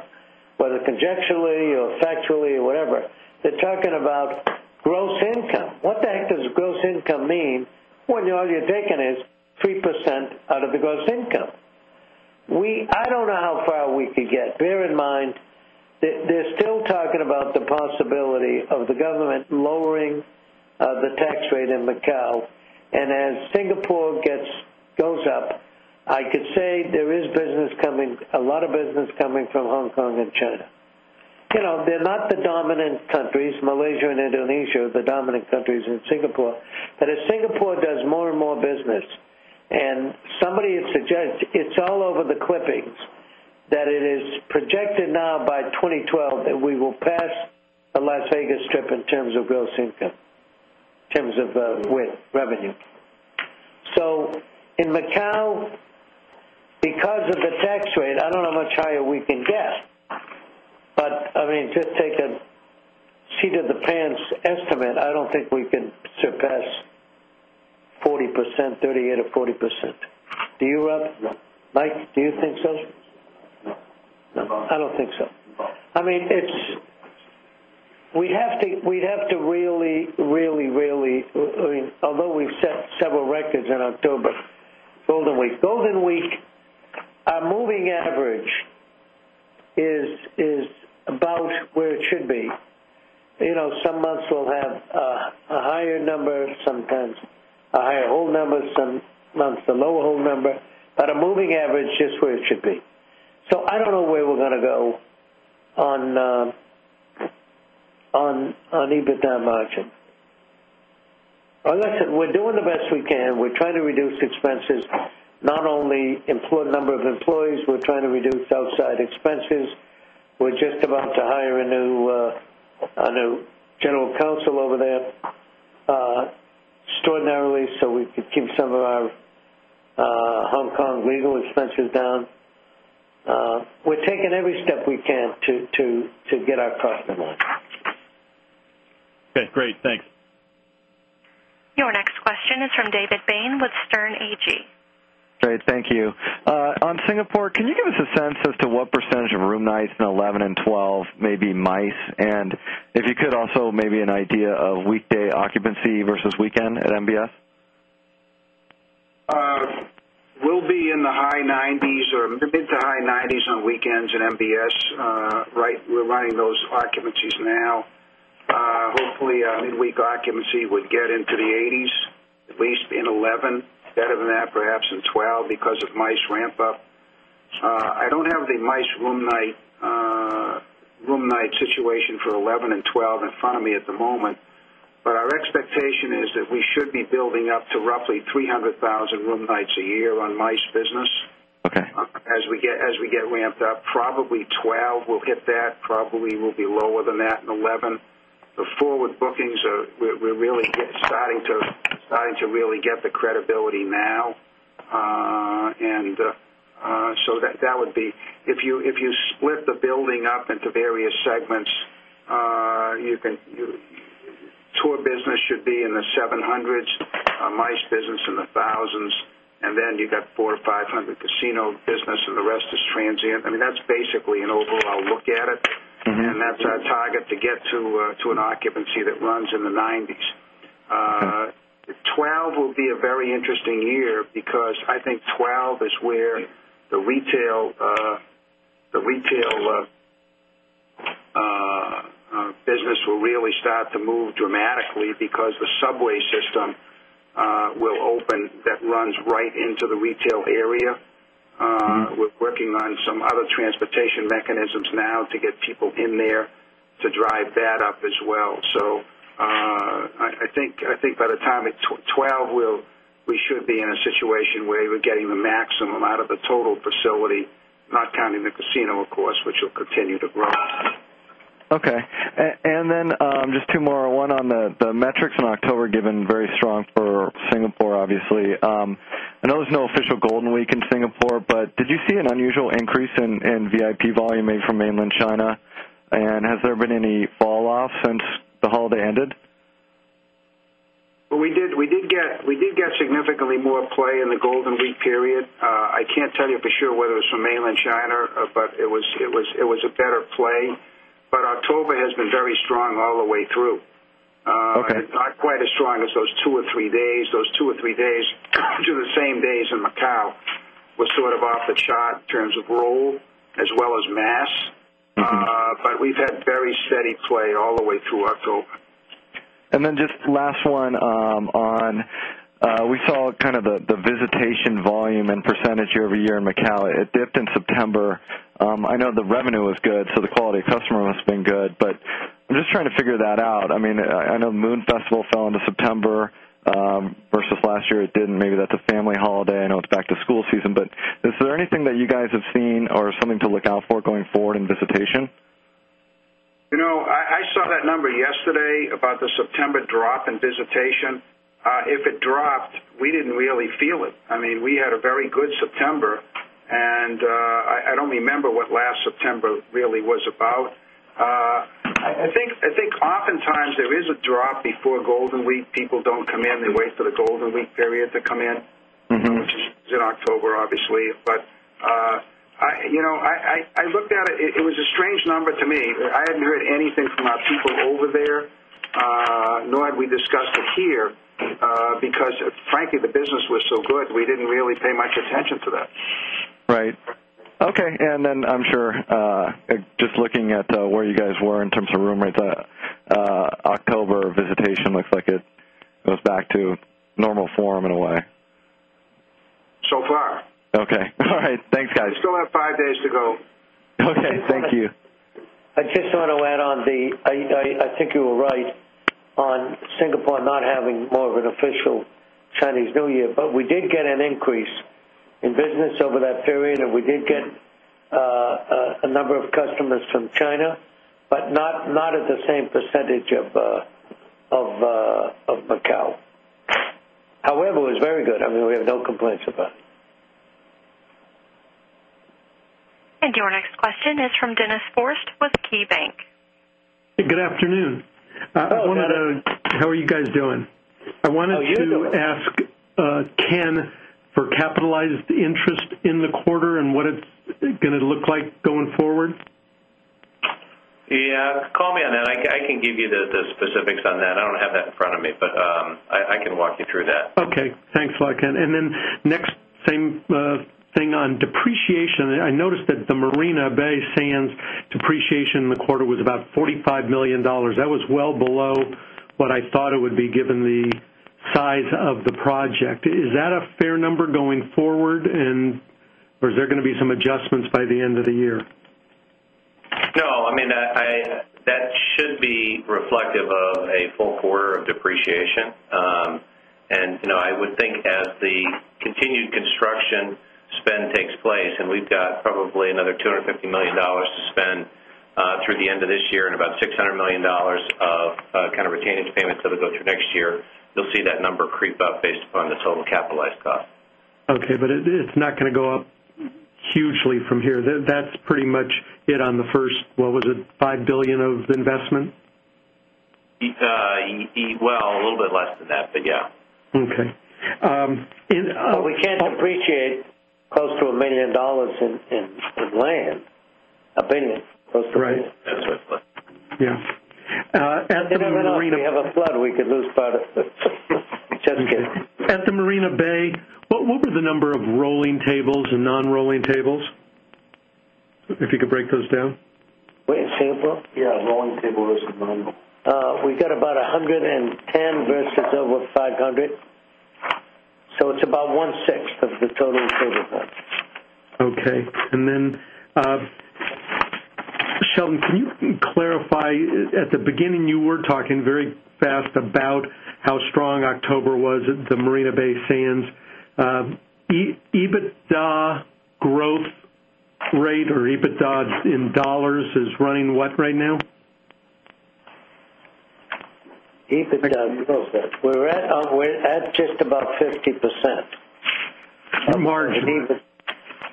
whether conceptually or factually or whatever, they're talking about gross income. What the heck does gross income mean when all you're taking is 3% out of the gross income? We I don't know how far we could get. Bear in mind, they're still talking about the possibility of the government lowering the tax rate in Macau. And as Singapore gets goes up, I could say there is business coming a lot of business coming from Hong Kong and China. They're not the dominant countries. Malaysia and Indonesia are the dominant countries in Singapore. But as Singapore does more and more business and somebody suggests it's all over the clippings that it is projected now by 2012 that we will pass the Las Vegas Strip in terms of gross income, in terms of revenue. So in Macau, because of the tax rate, I don't know how much higher we can get. But I mean, just take a seat of the pants estimate, I don't think we can surpass 40%, 38% or 40%. Do you, Rob? Mike, do you think so? No. I don't think so. I mean, it's we have to really, really, really, I mean, although we've set several records in October, Golden Week. Golden Week, our moving average is about where it should be. Some months will have a higher number, sometimes a higher hold number, some months a lower hold number, but a moving average is where it should be. So I don't know where we're going to go on EBITDA margin. Like I said, we're doing the best we can. We're trying to reduce expenses, not only number of employees, we're trying to reduce outside expenses. We're just about to hire a new general counsel over there extraordinarily, so we could keep some of our Hong Kong legal expenses down. We're taking every step we can to get our cost in line. Line. Okay, great. Thanks. Your next question is from David Bain with Stern AG. Great. Thank you. On Singapore, can you give us a sense as to what percentage of room nights in 11 and 12 maybe MICE? And if you could also maybe an idea of weekday occupancy versus weekend at MBS? Weekend at MBS? We'll be in the high 90s or mid to high 90s on weekends in MBS, right? We're running those occupancies now. Hopefully, midweek occupancy would get into the 80s, at least in 11, better than that perhaps in 12 because of MICE ramp up. I don't have the MICE room night situation for 11 and 12 in front of me at the moment. But our expectation is that we should be building up to roughly 300,000 room nights a year on MICE business. Okay. As we get ramped up, probably 12,000,000 will hit that, probably will be lower than that in 11,000,000. The forward bookings are we're really starting to really get the credibility now. And so that would be if you split the building up into various segments, you can tour business should be in the 700s, MICE business in the 1,000 and then you got 400 or 500 casino business and the rest is transient. I mean that's basically an overall look at it and that's our target to get to an occupancy that runs in the 90s. 12% will be a very interesting year because I think 12% is where business will really start to move dramatically because the subway system will open that runs right into the retail area. We're working on some other transportation mechanisms now to get people in there to drive that up as well. So I think by the time it's 12, we should be in a situation where we're getting the maximum out of the total facility, not counting the casino, of course, which will continue to grow. Okay. And then just 2 more. 1 on the metrics in October given very strong for Singapore obviously. I know there's no official Golden Week in Singapore, but did you see an unusual increase in VIP volume made from Mainland China? And has there been any fall off since the hold ended? Well, we did get significantly more play in the Golden Week period. I can't tell you for sure whether it was from Mainland China, but it was a better play. But October has been very strong all the way through. Not quite as strong as those 2 or 3 days. Those 2 or 3 days to the same days in Macau was sort of off the chart in terms of role as well as mass. But we've had very steady play all the way through October. And then just last one on we saw kind of the visitation volume and percentage year over year in Macao, it dipped in September. I know the revenue was good, so the quality of customer has been good. But I'm just trying to figure that out. I mean, I know Moon Festival fell into September versus last year it didn't. Maybe that's a family holiday. I know it's back to school season. But is there anything that you guys have seen or something to look out for going forward in visitation? I saw that number yesterday about dropped, we didn't really feel it. I mean, we had a very good September and I don't remember what last September really was about. I think oftentimes there is a drop before Golden Week. People don't come in. They wait for the Golden Week period to come in, which is in October obviously. But I looked at it, it was a strange number to me. I hadn't heard anything from our people over there nor had we discussed it here because frankly the business was so good. We didn't really pay much attention to that. Right. Okay. And then I'm sure just looking at where you guys were in terms of room rates, October visitation looks like it goes back to normal form in a way? So far. Okay. All right. Thanks, guys. We still have 5 days to go. Okay. Thank you. I just want to add on the I think you were right on Singapore not having more of an official Chinese New Year, but we did get an increase in business over that period and we did get a number of customers from China, but not at the same percentage of Macau. However, it was very good. I mean, we have no complaints about it. And your next question is from Dennis Forrest with KeyBanc. Good afternoon. How are you guys doing? How are you doing? How are you doing? I wanted to ask Ken for capitalized interest in the quarter and what it's going to look like going forward? Yes. Call me on that. I can give you the specifics on that. I don't have that in front of me, but I can walk you through that. Okay. Thanks a lot, Ken. And then next same thing on depreciation. I noticed that the Marina Bay Sands depreciation in the quarter was about $45,000,000 That was well below what I thought it would be given the size of the project. Is that a fair number going forward? And or is there going to be some adjustments by the end of the year? No. I mean, that should be reflective of a full quarter of depreciation. And I would think as the continued construction spend takes place and we've got probably another $250,000,000 to spend through the end of this year and about $600,000,000 of kind of retainage payments that will go through next year, you'll see that number creep up based upon the total capitalized cost. Okay. But it's not going to go up hugely from here. That's pretty much hit on the first, what was it, dollars 5,000,000,000 of investment? Well, a little bit less than that, but yes. Okay. We can't depreciate close to $1,000,000 in land, a $1,000,000,000 close to $1,000,000 Right. Yes. At the Marina Bay If we have a flood, we could lose part of it. Just kidding. At the Marina Bay, what were the number of rolling tables and non rolling tables? If you could break those down. Wait, same for? Yes, rolling table is a normal. We got about 110 versus over 500. So it's about 1 sixth of the total in total. Okay. And then Sheldon, can you clarify at the beginning you were talking very fast about how strong October was at the Marina Bay Sands. EBITDA growth rate or EBITDA in dollars is running what right now? EBITDA, we're at just about 50%. 21%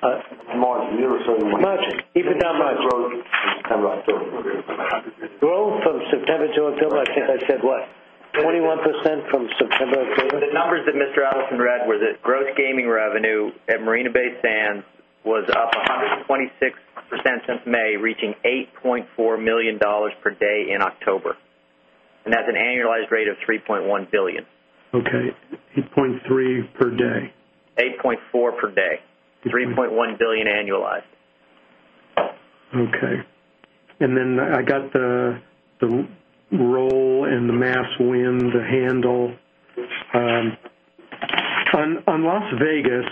from September, April. The numbers that Mr. Allison read were that gross gaming revenue at Marina Bay Sands was up 126% since May reaching $8,400,000 per day in October and that's an annualized rate of 3,100,000,000 dollars Okay. $8,300,000,000 per day. $8,400,000,000 per day, dollars 3,100,000,000 annualized. Okay. And then I got the role and the mass win to handle. On Las Vegas,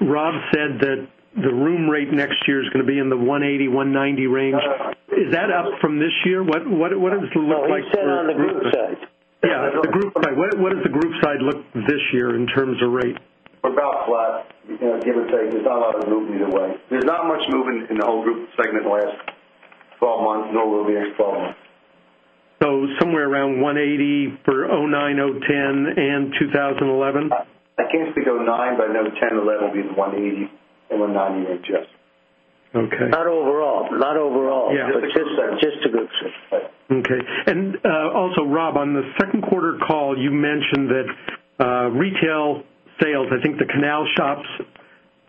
Rob said that the room rate next year is going to be in the 180, 190 range. Is that up from this year? What does it look like? Well, you said on the group side. Yes. The group side. What does the group side look this year in terms of rate? We're about flat give or take. There's not a lot of movement either way. There's not much movement in the whole group segment last 12 months, no moving in the 12 months. So somewhere around $180,000,000 for 'nine, 'ten and 'ten and 'eleven? I can't speak 'nine, but in 'ten, 'eleven, it will be the 1.80 and 198 just. Okay. Not overall, not overall. Just a good sense. Okay. And also, Rob, on the second quarter call, you mentioned that retail sales, I think the Canal Shops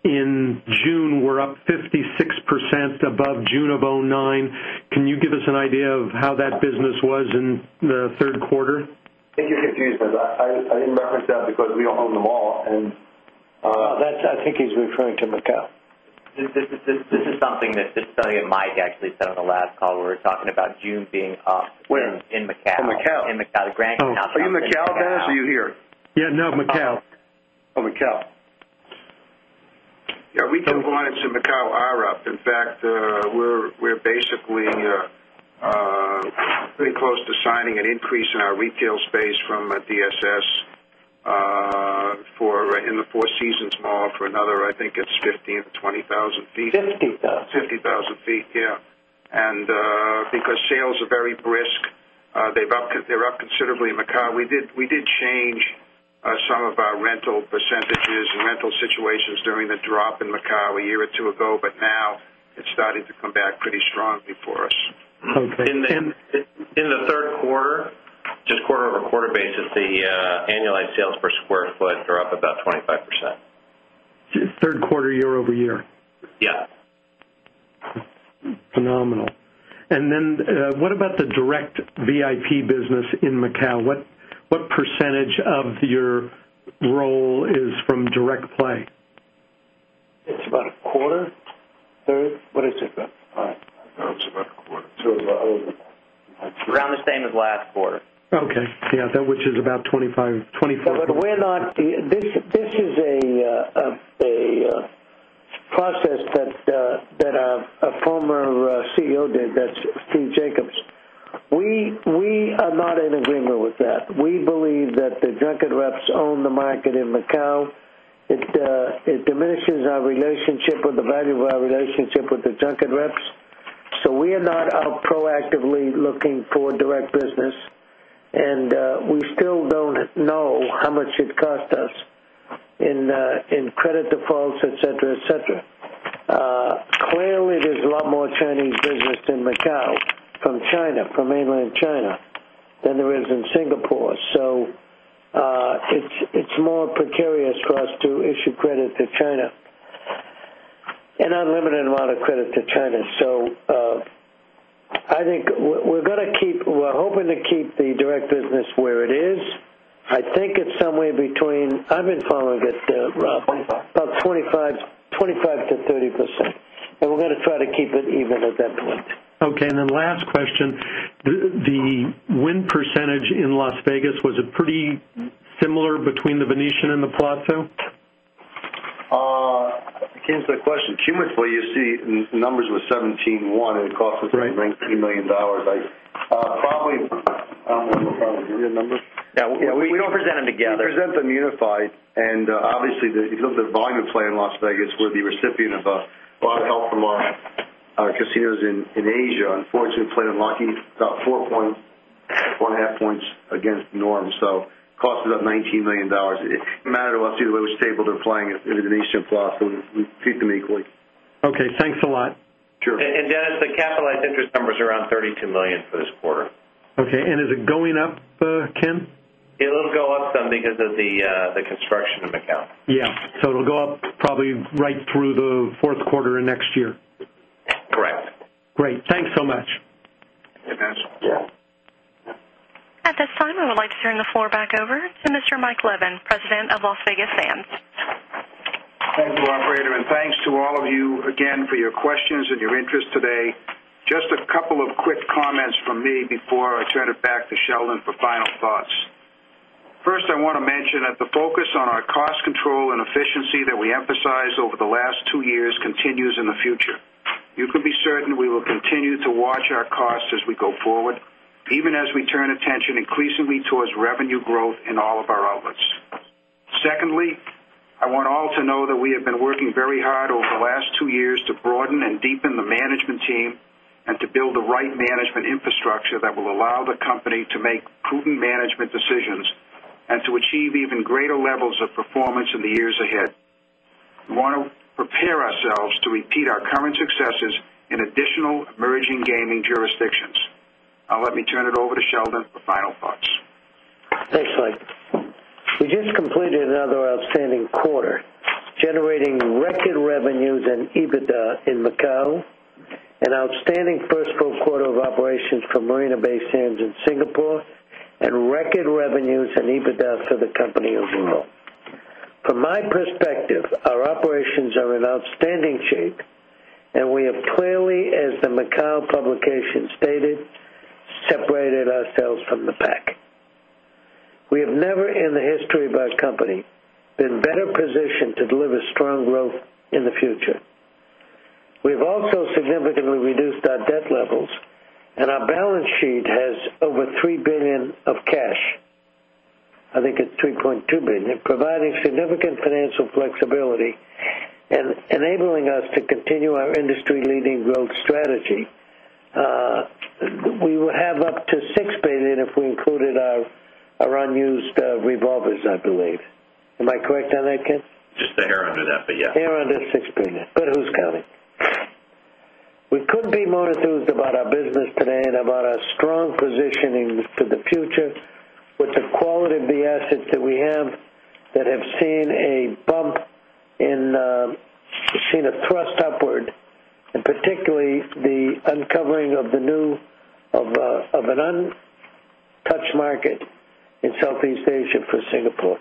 in June were up 56% above June of 2009. Can you give us an idea of how that business was in the Q3? I think you're confused because I didn't reference that because we don't own the mall. That's I think he's referring to Macau. This is something that Mike actually said on the last call. We were talking about June being up in Macau. In Macau. In Macau. In Macau, the Grand Canal Are you in Macau, guys? Are you here? Yes. No, Macau. Oh, Macau. Yes. We think volumes and Macau are up. In fact, we're basically pretty close to signing an increase in our retail space from DSS for in the Four Seasons Mall for another, I think it's 15,000, 20,000 feet. 50,000. 50,000 feet, yes. And because sales are very brisk, they're up now it's starting to come back pretty strongly for us. Okay. In the Q3, just quarter over quarter basis, the annualized sales per square foot are up about 25%. Q3 year over year? Yes. Phenomenal. And then what about the direct VIP business in Macau? What percentage of your role is from direct play? It's about a quarter. What is it, Bob? It's about a quarter. Around the same as last quarter. Okay. Yes, that which is about 25%. But we're not this is a process that a former CEO did, that's Steve Jacobs. We are not in agreement with that. We believe that the junket reps own the market in Macau. It diminishes our relationship or the value of our relationship with the junket reps. So we are not proactively looking for direct business. And we still don't know how much it cost us in credit defaults, etcetera, etcetera. Clearly, there's a lot more Chinese business in Macau from China, from Mainland China than there is in Singapore. So it's more precarious for us to issue credit to China and unlimited amount of credit to China. So I think we're going to keep we're hoping to keep the direct business where it is. I think it's somewhere between I've been following it, Rob, about 25% to 30%. We're going to try to keep it even at that point. Okay. And then last question, the wind percentage in Las Vegas was a pretty similar between The Venetian and The Plaza? I can't answer that question. Cumulatively, you see numbers were 17.1 and cost was $3,000,000 I probably We don't present them together. We present them unified. And obviously, if you look at volume play in Las Vegas, we're the recipient of a lot of help from our casinos in Asia. Unfortunately, we played in Lockheed about 4 point 5 points against norm. So cost is up $19,000,000 It didn't matter to us either way, it was stable, they're playing Indonesian floss, we treat them equally. Okay. Thanks a lot. Sure. And Dennis, the capitalized interest number is around $32,000,000 for this quarter. Okay. And is it going up, Ken? It will go up some because of the construction of Macau. Yes. So it will go up probably right through the Q4 of next year? Correct. Great. Thanks so much. At this time, I would like to turn the floor back over to Mr. Mike Levin, President of Las Vegas Sands. Thank you, operator, and thanks to all of you again for your questions and your interest today. Just a couple of quick comments from me before I turn it back to Sheldon for final thoughts. First, I want to mention that the focus on our cost control and efficiency that we emphasized over the last 2 years continues in the future. You can be certain we will continue to watch our costs as we go forward, even as we turn attention increasingly towards revenue growth in all of our outlets. Secondly, I want all to know that we have been working very over the last 2 years to broaden and deepen the management team and to build the right management infrastructure that will allow the company to make prudent management decisions and to achieve even greater levels of performance in the years ahead. We want to prepare ourselves to repeat our current successes in additional emerging gaming jurisdictions. Now let me turn it over to Sheldon for final thoughts. Thanks, Mike. We just completed another outstanding quarter, generating record revenues and EBITDA in Macau, an outstanding 1st full quarter of operations for Marina Bay Sands in Singapore and record revenues and EBITDA for the company of Google. From my perspective, our operations are in outstanding shape and we have clearly, as the Macau publication stated, separated ourselves from the pack. We have never in the history of our company been better positioned to deliver strong growth in the future. We've also significantly reduced our debt levels and our balance sheet has over $3,000,000,000 of cash. I think it's $3,200,000,000 providing significant financial flexibility and enabling us to continue our industry leading growth strategy. We will have up to $6,000,000,000 if we included our unused revolvers, I believe. Am I correct on that, Ken? Just a hair under that, but yes. Hair under $6,000,000,000 but who's counting? We could be more enthused about our business today and about our strong positioning to the future with the quality of the assets that we have that have seen a bump in seen a thrust upward and particularly the uncovering of the new of an untouched market in Southeast Asia for Singapore.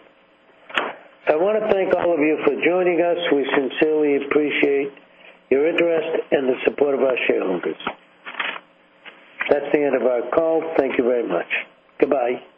I want to thank all of you for joining us. We sincerely appreciate your interest and the support of our shareholders. That's the end of our call. Thank you very much. Goodbye.